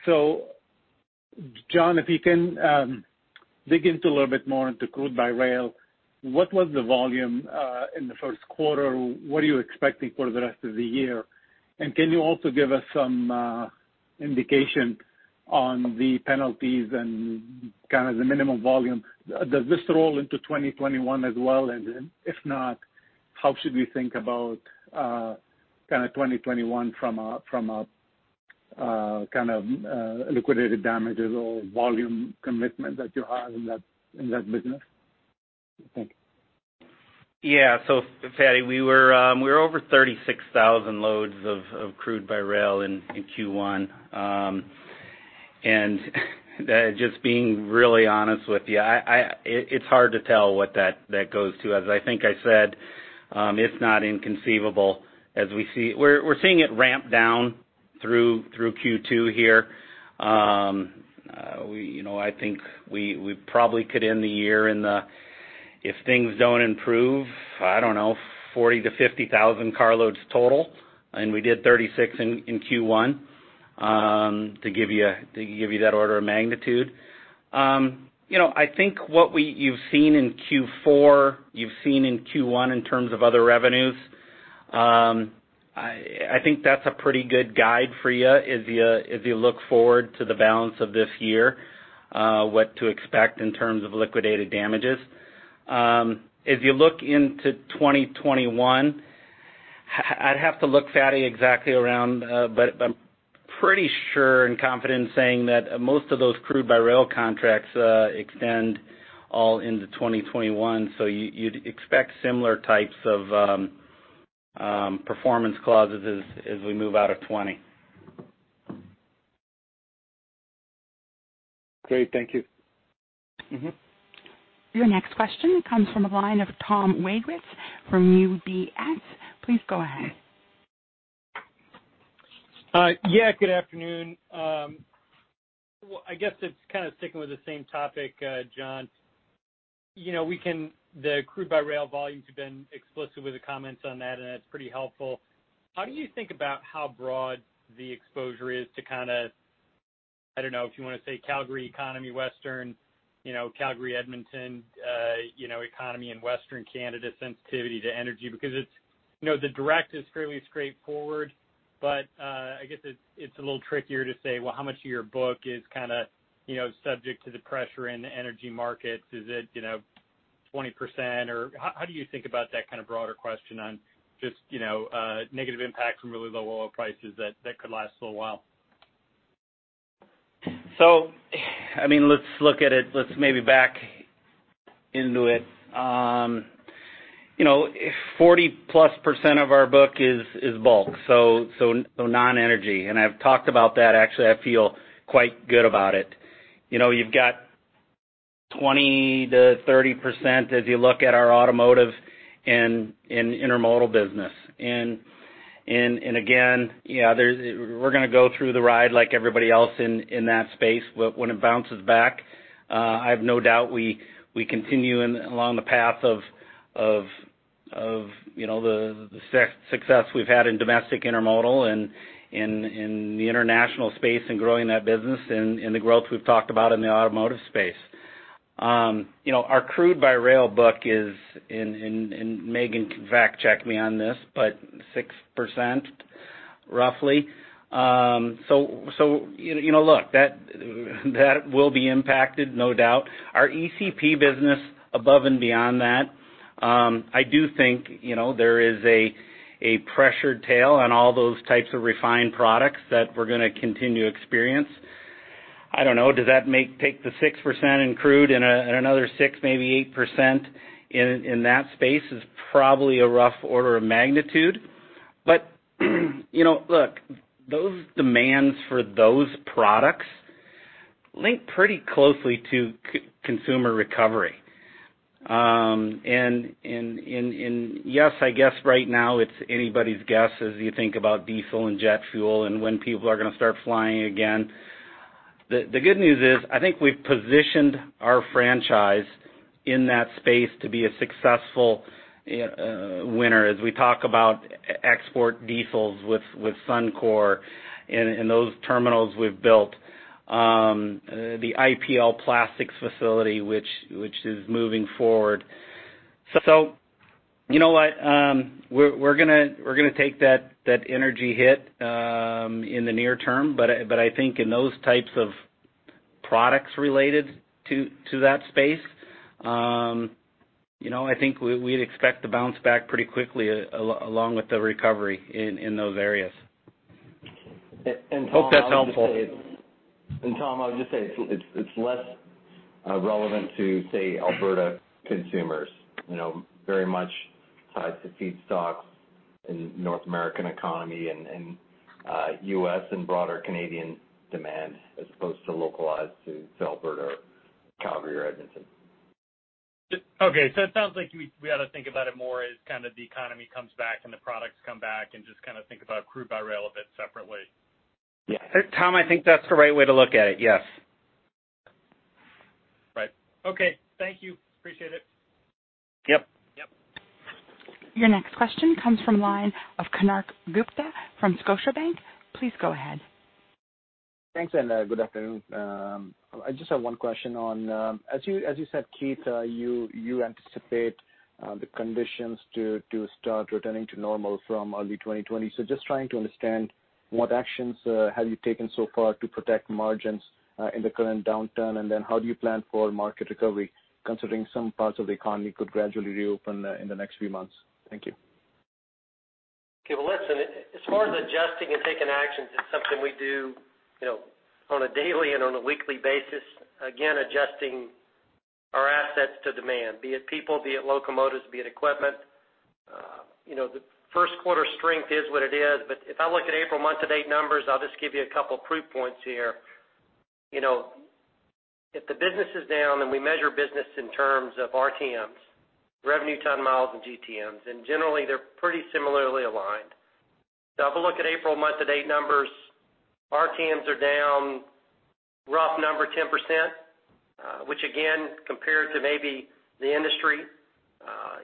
S11: John, if you can dig into a little bit more into crude-by-rail. What was the volume in the first quarter? What are you expecting for the rest of the year? Can you also give us some indication on the penalties and kind of the minimum volume? Does this roll into 2021 as well? If not, how should we think about kind of 2021 from a kind of liquidated damages or volume commitment that you have in that business? Thank you.
S4: Yeah. Fadi, we were over 36,000 loads of crude-by-rail in Q1. Just being really honest with you, it's hard to tell what that goes to. As I think I said, it's not inconceivable as we see it. We're seeing it ramp down through Q2 here. I think we probably could end the year in the, if things don't improve, I don't know, 40,000-50,000 car loads total. We did 36,000 in Q1, to give you that order of magnitude. I think what you've seen in Q4, you've seen in Q1 in terms of other revenues. I think that's a pretty good guide for you as you look forward to the balance of this year, what to expect in terms of liquidated damages. If you look into 2021, I'd have to look, Fadi, exactly around, but I'm pretty sure and confident in saying that most of those crude-by-rail contracts extend all into 2021. You'd expect similar types of performance clauses as we move out of 2020.
S11: Great. Thank you.
S1: Your next question comes from the line of Tom Wadewitz from UBS. Please go ahead.
S12: Yeah, good afternoon. I guess it's kind of sticking with the same topic, John. The crude-by-rail volumes, you've been explicit with the comments on that, and that's pretty helpful. How do you think about how broad the exposure is to I don't know if you want to say Calgary economy, Western Calgary, Edmonton economy in Western Canada, sensitivity to energy, because the direct is fairly straightforward. I guess it's a little trickier to say, well, how much of your book is kind of subject to the pressure in the energy markets? Is it 20% or how do you think about that kind of broader question on just negative impacts from really low oil prices that could last a little while?
S4: Let's look at it. Let's maybe back into it. 40% plus of our book is bulk, so non-energy, and I've talked about that. Actually, I feel quite good about it. You've got 20% to 30% as you look at our automotive and intermodal business. Again, yeah, we're going to go through the ride like everybody else in that space. When it bounces back, I have no doubt we continue along the path of the success we've had in domestic intermodal and in the international space and growing that business and the growth we've talked about in the automotive space. Our crude-by-rail book is, and Maeghan can fact check me on this, but 6%, roughly. Look, that will be impacted, no doubt. Our ECP business above and beyond that, I do think there is a pressured tail on all those types of refined products that we're going to continue to experience. I don't know, does that make take the 6% in crude and another 6%, maybe 8% in that space is probably a rough order of magnitude. Look, those demands for those products link pretty closely to consumer recovery. Yes, I guess right now it's anybody's guess as you think about diesel and jet fuel and when people are going to start flying again. The good news is, I think we've positioned our franchise in that space to be a successful winner as we talk about export diesels with Suncor and those terminals we've built, the IPL Plastics facility, which is moving forward. You know what? We're going to take that energy hit in the near term, but I think in those types of products related to that space, I think we'd expect to bounce back pretty quickly along with the recovery in those areas.
S3: Tom.
S4: Hope that's helpful.
S3: Tom, I would just say it's less relevant to, say, Alberta consumers. Very much tied to feedstocks and North American economy and U.S. and broader Canadian demand as opposed to localized to Alberta, Calgary or Edmonton.
S12: Okay, it sounds like we ought to think about it more as kind of the economy comes back and the products come back and just kind of crude-by-rail a bit separately.
S4: Yeah.
S3: Tom, I think that's the right way to look at it. Yes.
S12: Right. Okay. Thank you. Appreciate it.
S3: Yep.
S12: Yep.
S1: Your next question comes from line of Konark Gupta from Scotiabank. Please go ahead.
S13: Thanks, good afternoon. I just have one question on, as you said, Keith, you anticipate the conditions to start returning to normal from early 2020. Just trying to understand what actions have you taken so far to protect margins in the current downturn, how do you plan for market recovery, considering some parts of the economy could gradually reopen in the next few months? Thank you.
S3: Well, listen, as far as adjusting and taking actions, it's something we do on a daily and on a weekly basis. Again, adjusting our assets to demand, be it people, be it locomotives, be it equipment. The first quarter strength is what it is. If I look at April month-to-date numbers, I'll just give you a couple proof points here. If the business is down, and we measure business in terms of RTMs, Revenue Ton-Miles, and GTMs, and generally they're pretty similarly aligned. If we look at April month-to-date numbers, RTMs are down, rough number, 10%, which again, compared to maybe the industry,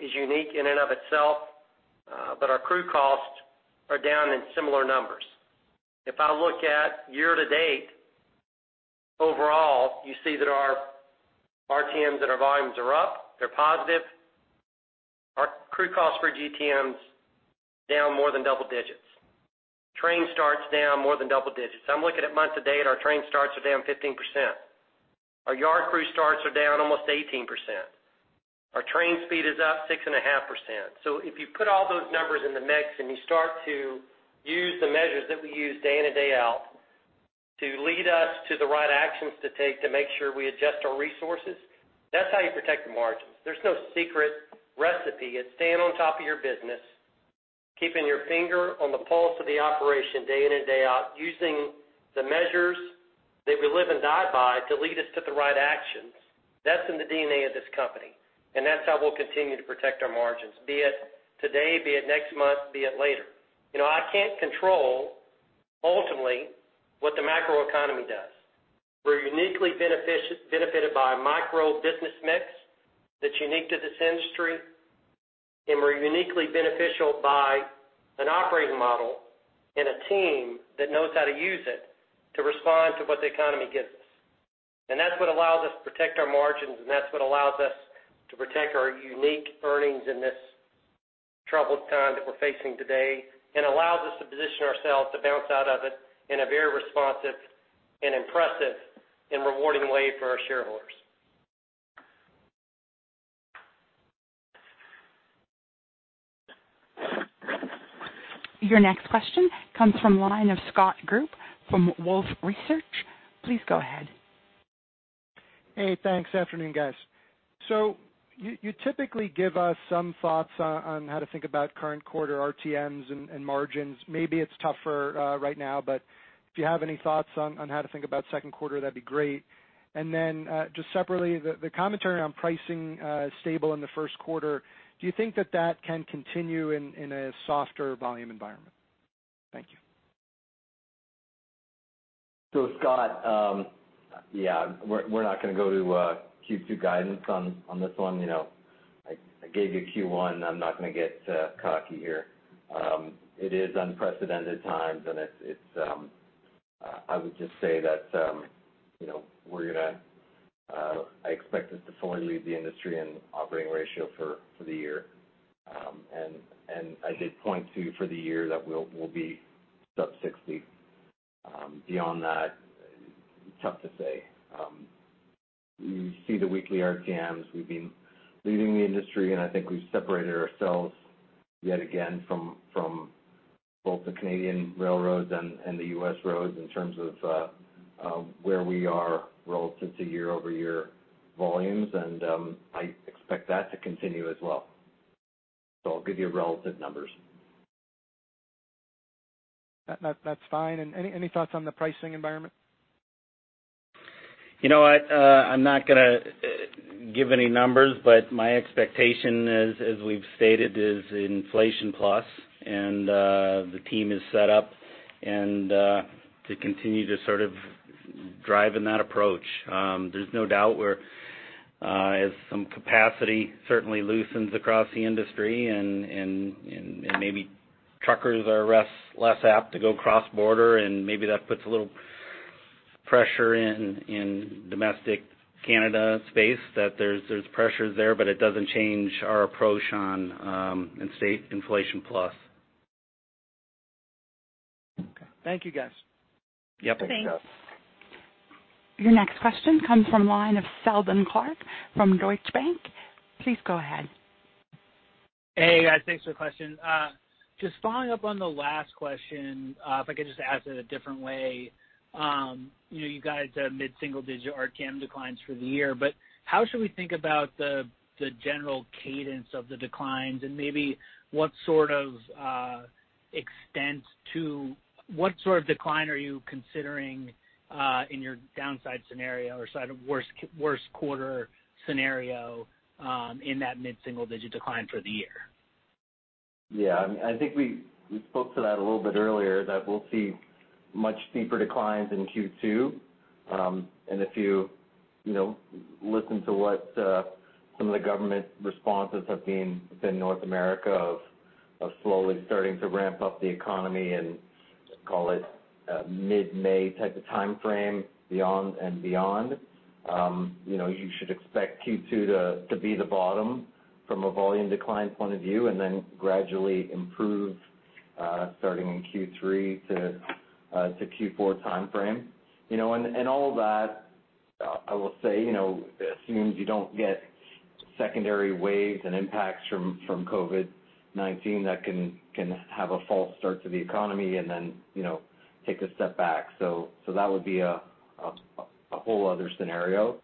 S3: is unique in and of itself. Our crew costs are down in similar numbers. If I look at year-to-date, overall, you see that our RTMs and our volumes are up, they're positive. Our crew costs per GTMs, down more than double digits. Train starts down more than double digits. I'm looking at month to date, our train starts are down 15%. Our yard crew starts are down almost 18%. Our train speed is up 6.5%. If you put all those numbers in the mix and you start to use the measures that we use day in and day out to lead us to the right actions to take to make sure we adjust our resources, that's how you protect the margins. There's no secret recipe. It's staying on top of your business, keeping your finger on the pulse of the operation day in and day out, using the measures that we live and die by to lead us to the right actions. That's in the DNA of this company, and that's how we'll continue to protect our margins, be it today, be it next month, be it later. I can't control, ultimately, what the macroeconomy does. We're uniquely benefited by a micro business mix that's unique to this industry. We're uniquely beneficial by an operating model and a team that knows how to use it to respond to what the economy gives us. That's what allows us to protect our margins, that's what allows us to protect our unique earnings in this troubled time that we're facing today. Allows us to position ourselves to bounce out of it in a very responsive and impressive and rewarding way for our shareholders.
S1: Your next question comes from the line of Scott Group from Wolfe Research. Please go ahead.
S14: Hey, thanks. Afternoon, guys. You typically give us some thoughts on how to think about current quarter RTMs and margins. Maybe it's tougher right now, but if you have any thoughts on how to think about second quarter, that'd be great. Just separately, the commentary on pricing is stable in the first quarter, do you think that that can continue in a softer volume environment? Thank you.
S5: Scott, yeah, we're not going to go to Q2 guidance on this one. I gave you Q1, I'm not going to get cocky here. It is unprecedented times, and I would just say that I expect us to fully lead the industry in operating ratio for the year. I did point to, for the year, that we'll be sub-60. Beyond that, it's tough to say. You see the weekly RTMs. We've been leading the industry, and I think we've separated ourselves yet again from both the Canadian railroads and the U.S. roads in terms of where we are relative to year-over-year volumes. I expect that to continue as well. I'll give you relative numbers.
S14: That's fine. Any thoughts on the pricing environment?
S4: You know what? I'm not going to give any numbers, but my expectation, as we've stated, is inflation plus, and the team is set up to continue to sort of drive in that approach. There's no doubt where as some capacity certainly loosens across the industry and maybe truckers are less apt to go cross border and maybe that puts a little pressure in domestic Canada space, that there's pressures there, but it doesn't change our approach on inflation plus.
S14: Okay. Thank you, guys.
S4: Yep.
S1: Thanks. Your next question comes from the line of Seldon Clarke from Deutsche Bank. Please go ahead.
S15: Hey, guys, thanks for the question. Just following up on the last question, if I could just ask it a different way. You guys are mid-single digit RTM declines for the year, how should we think about the general cadence of the declines and maybe what sort of decline are you considering in your downside scenario or worst quarter scenario in that mid-single digit decline for the year?
S5: Yeah, I think we spoke to that a little bit earlier, that we'll see much steeper declines in Q2. If you listen to what some of the government responses have been within North America of slowly starting to ramp up the economy in, call it, mid-May type of timeframe and beyond. You should expect Q2 to be the bottom from a volume decline point of view, and then gradually improve starting in Q3 to Q4 timeframe. All of that, I will say, assumes you don't get secondary waves and impacts from COVID-19 that can have a false start to the economy and then take a step back. That would be a whole other scenario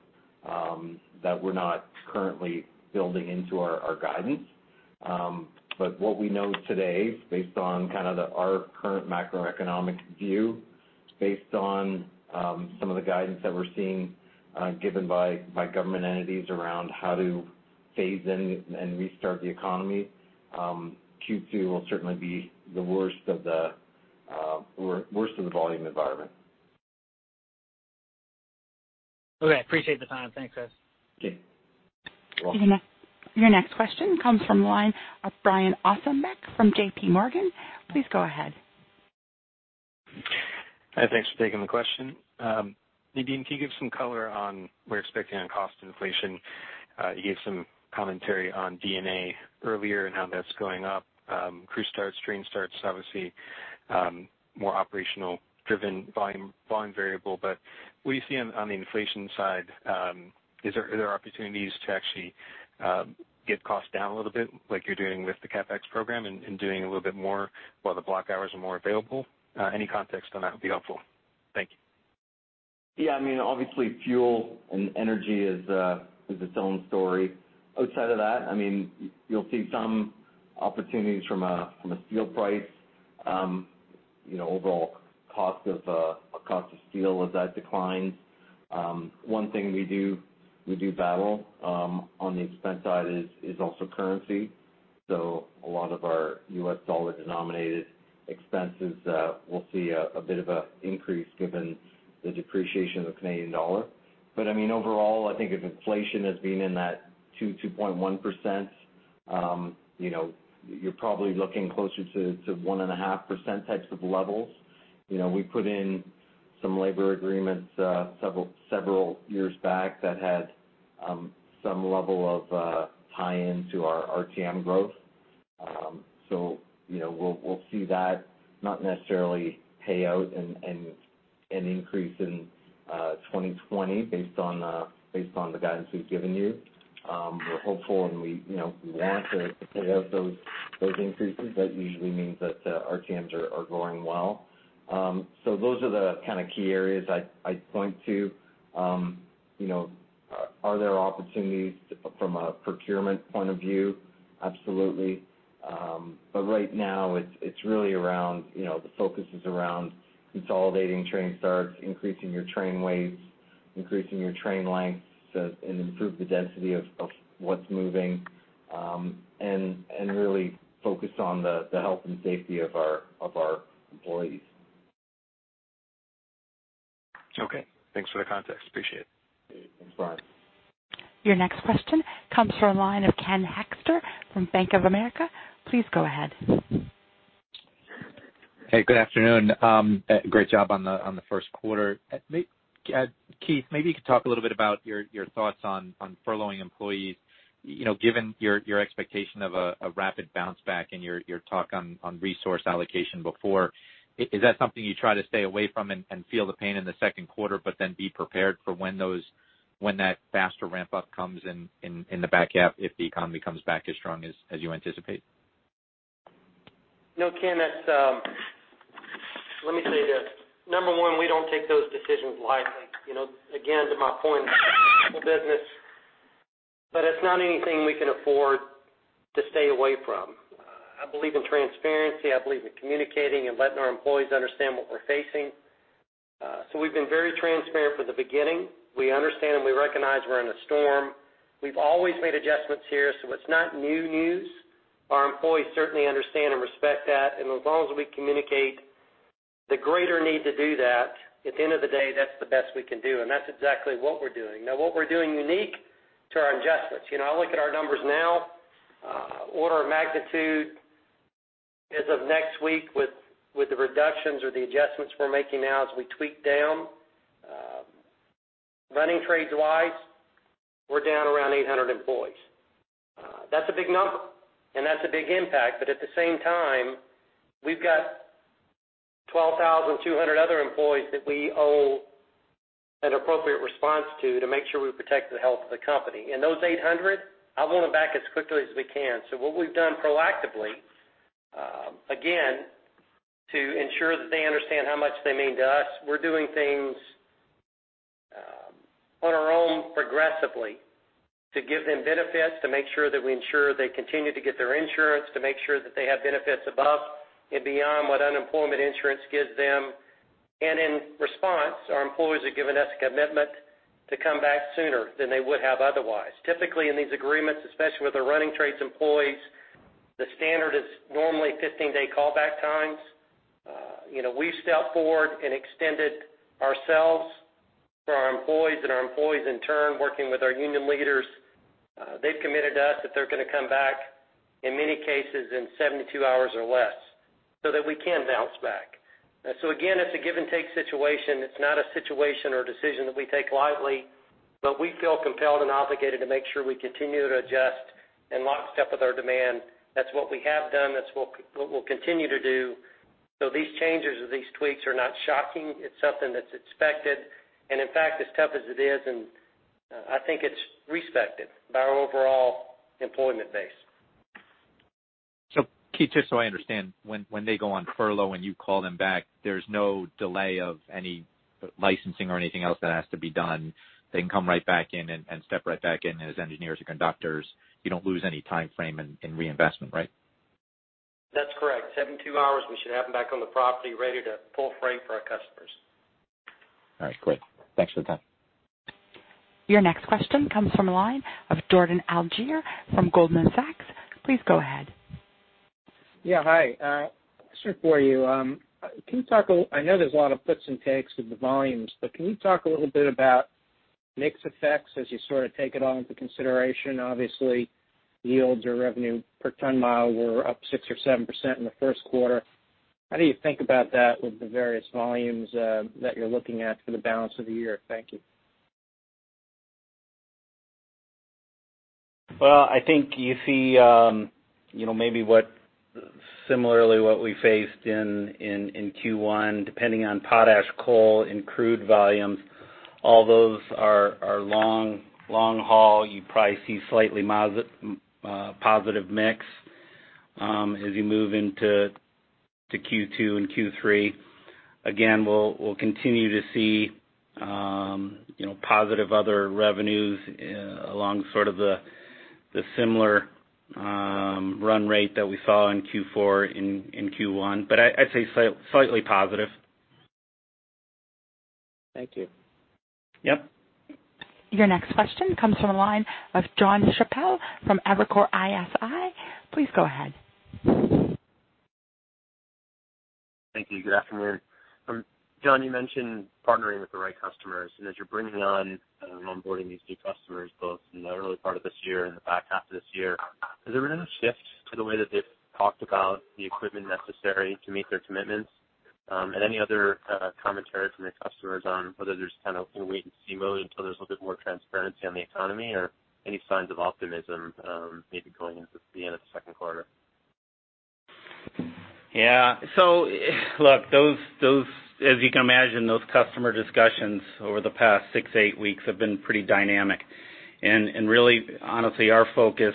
S5: that we're not currently building into our guidance. What we know today, based on kind of our current macroeconomic view, based on some of the guidance that we're seeing given by government entities around how to phase in and restart the economy, Q2 will certainly be the worst of the volume environment.
S15: Okay. Appreciate the time. Thanks, guys.
S5: Okay. You're welcome.
S1: Your next question comes from the line of Brian Ossenbeck from JPMorgan. Please go ahead.
S16: Hi, thanks for taking the question. Nadeem, can you give some color on what you're expecting on cost inflation? You gave some commentary on D&A earlier and how that's going up. Crew starts, train starts, obviously more operational driven volume variable. What do you see on the inflation side? Are there opportunities to actually get costs down a little bit like you're doing with the CapEx program and doing a little bit more while the block hours are more available? Any context on that would be helpful. Thank you.
S5: Yeah, obviously fuel and energy is its own story. You'll see some opportunities from a steel price, overall cost of steel, as that declines. One thing we do battle on the expense side is also currency. A lot of our US dollar denominated expenses will see a bit of an increase given the depreciation of the Canadian dollar. I mean, overall, I think if inflation has been in that 2-2.1%, you're probably looking closer to 1.5% types of levels. We put in some labor agreements several years back that had some level of tie-in to our RTM growth. We'll see that not necessarily pay out in an increase in 2020 based on the guidance we've given you. We're hopeful, and we want to pay out those increases. That usually means that our TMs are growing well. Those are the kind of key areas I'd point to. Are there opportunities from a procurement point of view? Absolutely. Right now, the focus is around consolidating train starts, increasing your train weights, increasing your train lengths, and improve the density of what's moving, and really focused on the health and safety of our employees.
S16: Okay. Thanks for the context. Appreciate it.
S5: Thanks, Brian.
S1: Your next question comes from the line of Ken Hoexter from Bank of America. Please go ahead.
S17: Hey, good afternoon. Great job on the first quarter. Keith, maybe you could talk a little bit about your thoughts on furloughing employees. Given your expectation of a rapid bounce back and your talk on resource allocation before, is that something you try to stay away from and feel the pain in the second quarter, but then be prepared for when that faster ramp up comes in the back half if the economy comes back as strong as you anticipate?
S3: No, Ken. Let me say this. Number one, we don't take those decisions lightly. Again, to my point business, but it's not anything we can afford to stay away from. I believe in transparency. I believe in communicating and letting our employees understand what we're facing. We've been very transparent from the beginning. We understand and we recognize we're in a storm. We've always made adjustments here, so it's not new news. Our employees certainly understand and respect that, and as long as we communicate the greater need to do that, at the end of the day, that's the best we can do, and that's exactly what we're doing. What we're doing unique to our adjustments. I look at our numbers now, order of magnitude as of next week with the reductions or the adjustments we're making now as we tweak down running trades wise, we're down around 800 employees. That's a big number, and that's a big impact, but at the same time, we've got 12,200 other employees that we owe an appropriate response to make sure we protect the health of the company. Those 800, I want them back as quickly as we can. What we've done proactively, again, to ensure that they understand how much they mean to us, we're doing things on our own progressively to give them benefits, to make sure that we ensure they continue to get their insurance, to make sure that they have benefits above and beyond what unemployment insurance gives them. In response, our employees have given us a commitment to come back sooner than they would have otherwise. Typically, in these agreements, especially with the running trades employees, the standard is normally 15-day call back times. We've stepped forward and extended ourselves for our employees and our employees in turn, working with our union leaders. They've committed us that they're going to come back, in many cases, in 72 hours or less so that we can bounce back. Again, it's a give and take situation. It's not a situation or decision that we take lightly, but we feel compelled and obligated to make sure we continue to adjust and lockstep with our demand. That's what we have done. That's what we'll continue to do. These changes or these tweaks are not shocking. It's something that's expected, and in fact, as tough as it is, and I think it's respected by our overall employment base.
S17: Keith, just so I understand, when they go on furlough and you call them back, there's no delay of any licensing or anything else that has to be done. They can come right back in and step right back in as engineers or conductors. You don't lose any timeframe in reinvestment, right?
S3: That's correct. 72 hours, we should have them back on the property ready to pull freight for our customers.
S17: All right, great. Thanks for the time.
S1: Your next question comes from the line of Jordan Alliger from Goldman Sachs. Please go ahead.
S18: Yeah, hi. A question for you. I know there's a lot of puts and takes with the volumes. Can you talk a little bit about mix effects as you sort of take it all into consideration? Obviously, yields or revenue per ton-mile were up 6% or 7% in the first quarter. How do you think about that with the various volumes that you're looking at for the balance of the year? Thank you.
S5: Well, I think you see maybe similarly what we faced in Q1, depending on potash, coal, and crude volumes, all those are long haul. You probably see slightly positive mix. As you move into Q2 and Q3, again, we'll continue to see positive other revenues along sort of the similar run rate that we saw in Q4, in Q1. I'd say slightly positive.
S18: Thank you.
S5: Yep.
S1: Your next question comes from the line of Jonathan Chappell from Evercore ISI. Please go ahead.
S19: Thank you. Good afternoon. John, you mentioned partnering with the right customers, and as you're bringing on and onboarding these new customers, both in the early part of this year and the back half of this year, has there been a shift to the way that they've talked about the equipment necessary to meet their commitments? Any other commentary from your customers on whether there's kind of a wait-and-see mode until there's a little bit more transparency on the economy, or any signs of optimism maybe going into the end of the second quarter?
S4: Look, as you can imagine, those customer discussions over the past six, eight weeks have been pretty dynamic. Really, honestly, our focus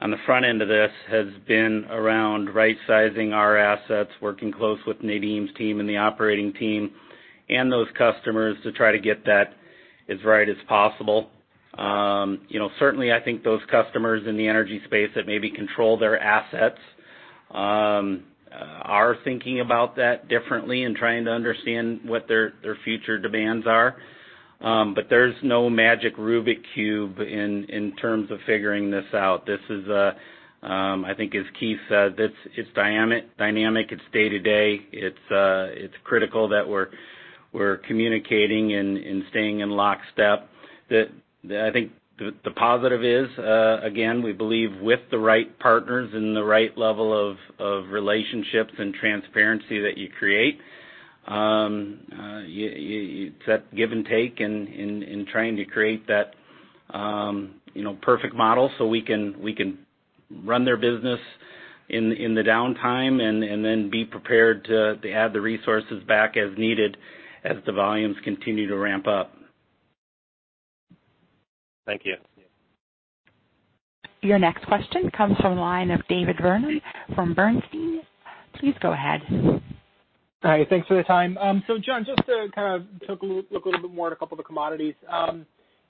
S4: on the front end of this has been around rightsizing our assets, working close with Nadeem's team and the operating team and those customers to try to get that as right as possible. Certainly, I think those customers in the energy space that maybe control their assets are thinking about that differently and trying to understand what their future demands are. There's no magic Rubik cube in terms of figuring this out. I think as Keith said, it's dynamic, it's day to day. It's critical that we're communicating and staying in lockstep. I think the positive is, again, we believe with the right partners and the right level of relationships and transparency that you create, it's that give and take in trying to create that perfect model so we can run their business in the downtime and then be prepared to add the resources back as needed as the volumes continue to ramp up.
S19: Thank you.
S1: Your next question comes from the line of David Vernon from Bernstein. Please go ahead.
S20: Hi. Thanks for the time. John, just to kind of take a look a little bit more at a couple of the commodities.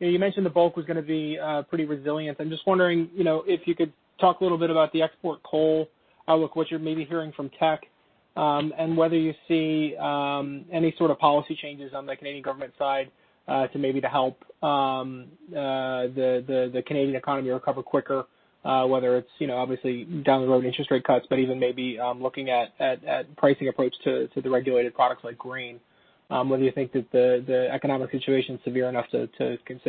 S20: You mentioned the bulk was going to be pretty resilient. I'm just wondering if you could talk a little bit about the export coal outlook, what you're maybe hearing from Teck, and whether you see any sort of policy changes on the Canadian government side to maybe to help the Canadian economy recover quicker, whether it's obviously down the road interest rate cuts, but even maybe looking at pricing approach to the regulated products like grain. Whether you think that the economic situation is severe enough to think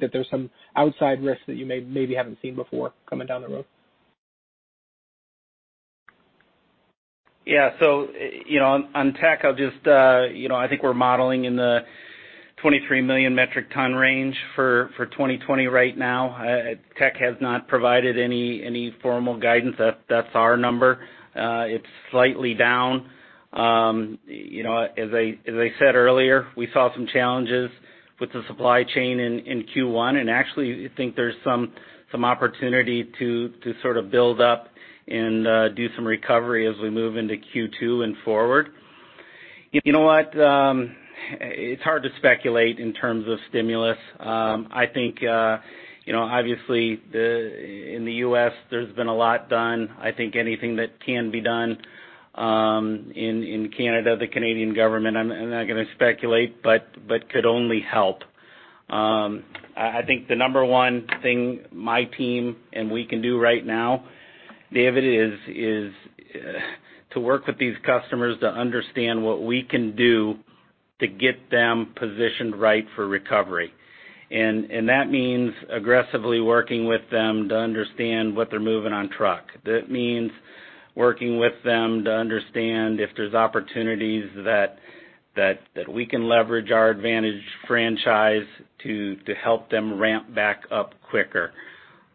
S20: that there's some outside risk that you maybe haven't seen before coming down the road.
S4: Yeah. On Teck, I think we're modeling in the 23 million metric ton range for 2020 right now. Teck has not provided any formal guidance. That's our number. It's slightly down. As I said earlier, we saw some challenges with the supply chain in Q1, actually think there's some opportunity to sort of build up and do some recovery as we move into Q2 and forward. You know what? It's hard to speculate in terms of stimulus. I think, obviously in the U.S., there's been a lot done. I think anything that can be done in Canada, the Canadian government, I'm not going to speculate, could only help. I think the number one thing my team and we can do right now, David, is to work with these customers to understand what we can do to get them positioned right for recovery. That means aggressively working with them to understand what they're moving on truck. That means working with them to understand if there's opportunities that we can leverage our advantage franchise to help them ramp back up quicker.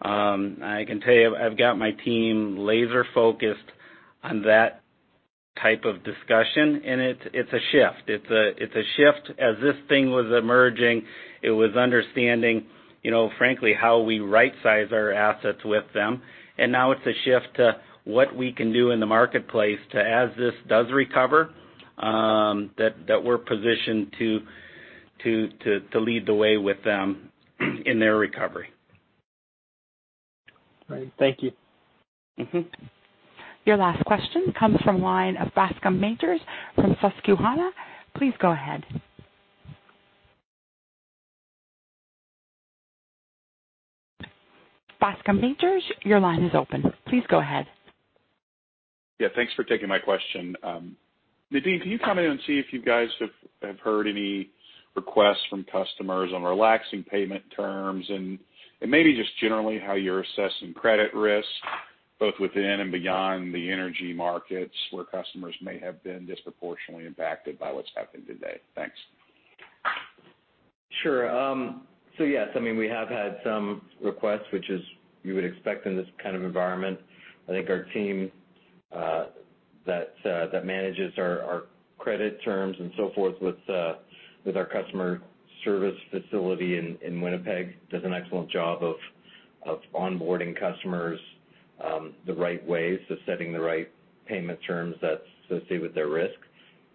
S4: I can tell you, I've got my team laser-focused on that type of discussion, and it's a shift. It's a shift as this thing was emerging, it was understanding, frankly, how we right-size our assets with them. Now it's a shift to what we can do in the marketplace to, as this does recover, that we're positioned to lead the way with them in their recovery.
S20: Great. Thank you.
S1: Your last question comes from the line of Bascome Majors from Susquehanna. Please go ahead. Bascome Majors, your line is open. Please go ahead.
S21: Yeah, thanks for taking my question. Nadeem, can you comment and see if you guys have heard any requests from customers on relaxing payment terms? Maybe just generally how you're assessing credit risk both within and beyond the energy markets where customers may have been disproportionately impacted by what's happened today. Thanks.
S5: Sure. Yes, we have had some requests, which is you would expect in this kind of environment. I think our team that manages our credit terms and so forth with our customer service facility in Winnipeg does an excellent job of onboarding customers the right way. Setting the right payment terms that's associated with their risk.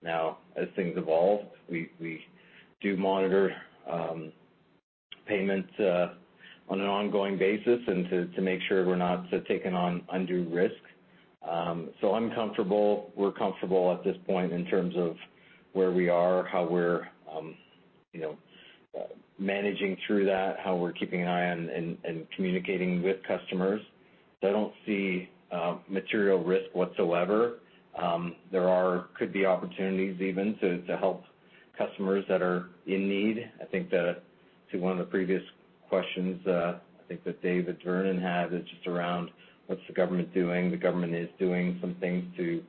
S5: Now, as things evolve, we do monitor payments on an ongoing basis and to make sure we're not taking on undue risk. I'm comfortable, we're comfortable at this point in terms of where we are, how we're managing through that, how we're keeping an eye on and communicating with customers. I don't see material risk whatsoever. There could be opportunities even to help customers that are in need. I think that to one of the previous questions I think that David Vernon had is just around what's the government doing? The government is doing some things to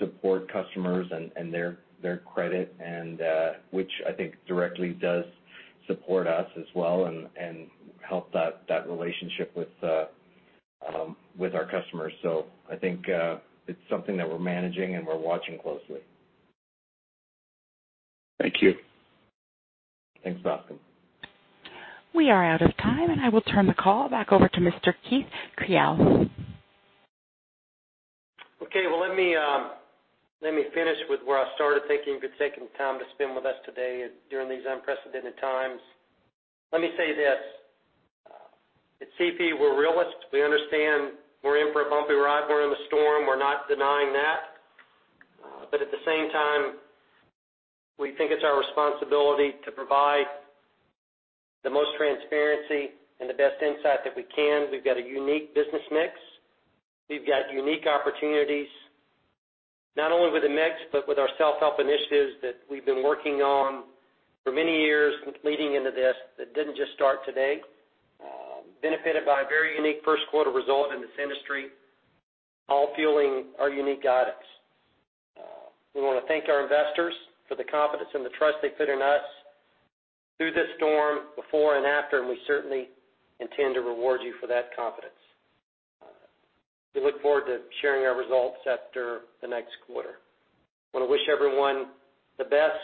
S5: support customers and their credit, and which I think directly does support us as well and help that relationship with our customers. I think it's something that we're managing and we're watching closely.
S21: Thank you.
S3: Thanks, Bascome.
S1: We are out of time, and I will turn the call back over to Mr. Keith Creel.
S3: Okay. Well, let me finish with where I started. Thank you for taking the time to spend with us today during these unprecedented times. Let me say this. At CP, we're realists. We understand we're in for a bumpy ride. We're in the storm. We're not denying that. But at the same time, we think it's our responsibility to provide the most transparency and the best insight that we can. We've got a unique business mix. We've got unique opportunities not only with the mix, but with our self-help initiatives that we've been working on for many years leading into this, that didn't just start today. Benefited by a very unique first quarter result in this industry, all fueling our unique guidance. We want to thank our investors for the confidence and the trust they put in us through this storm, before and after, and we certainly intend to reward you for that confidence. We look forward to sharing our results after the next quarter. I want to wish everyone the best,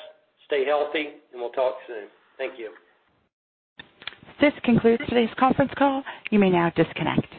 S3: stay healthy, and we'll talk soon. Thank you.
S1: This concludes today's conference call. You may now disconnect.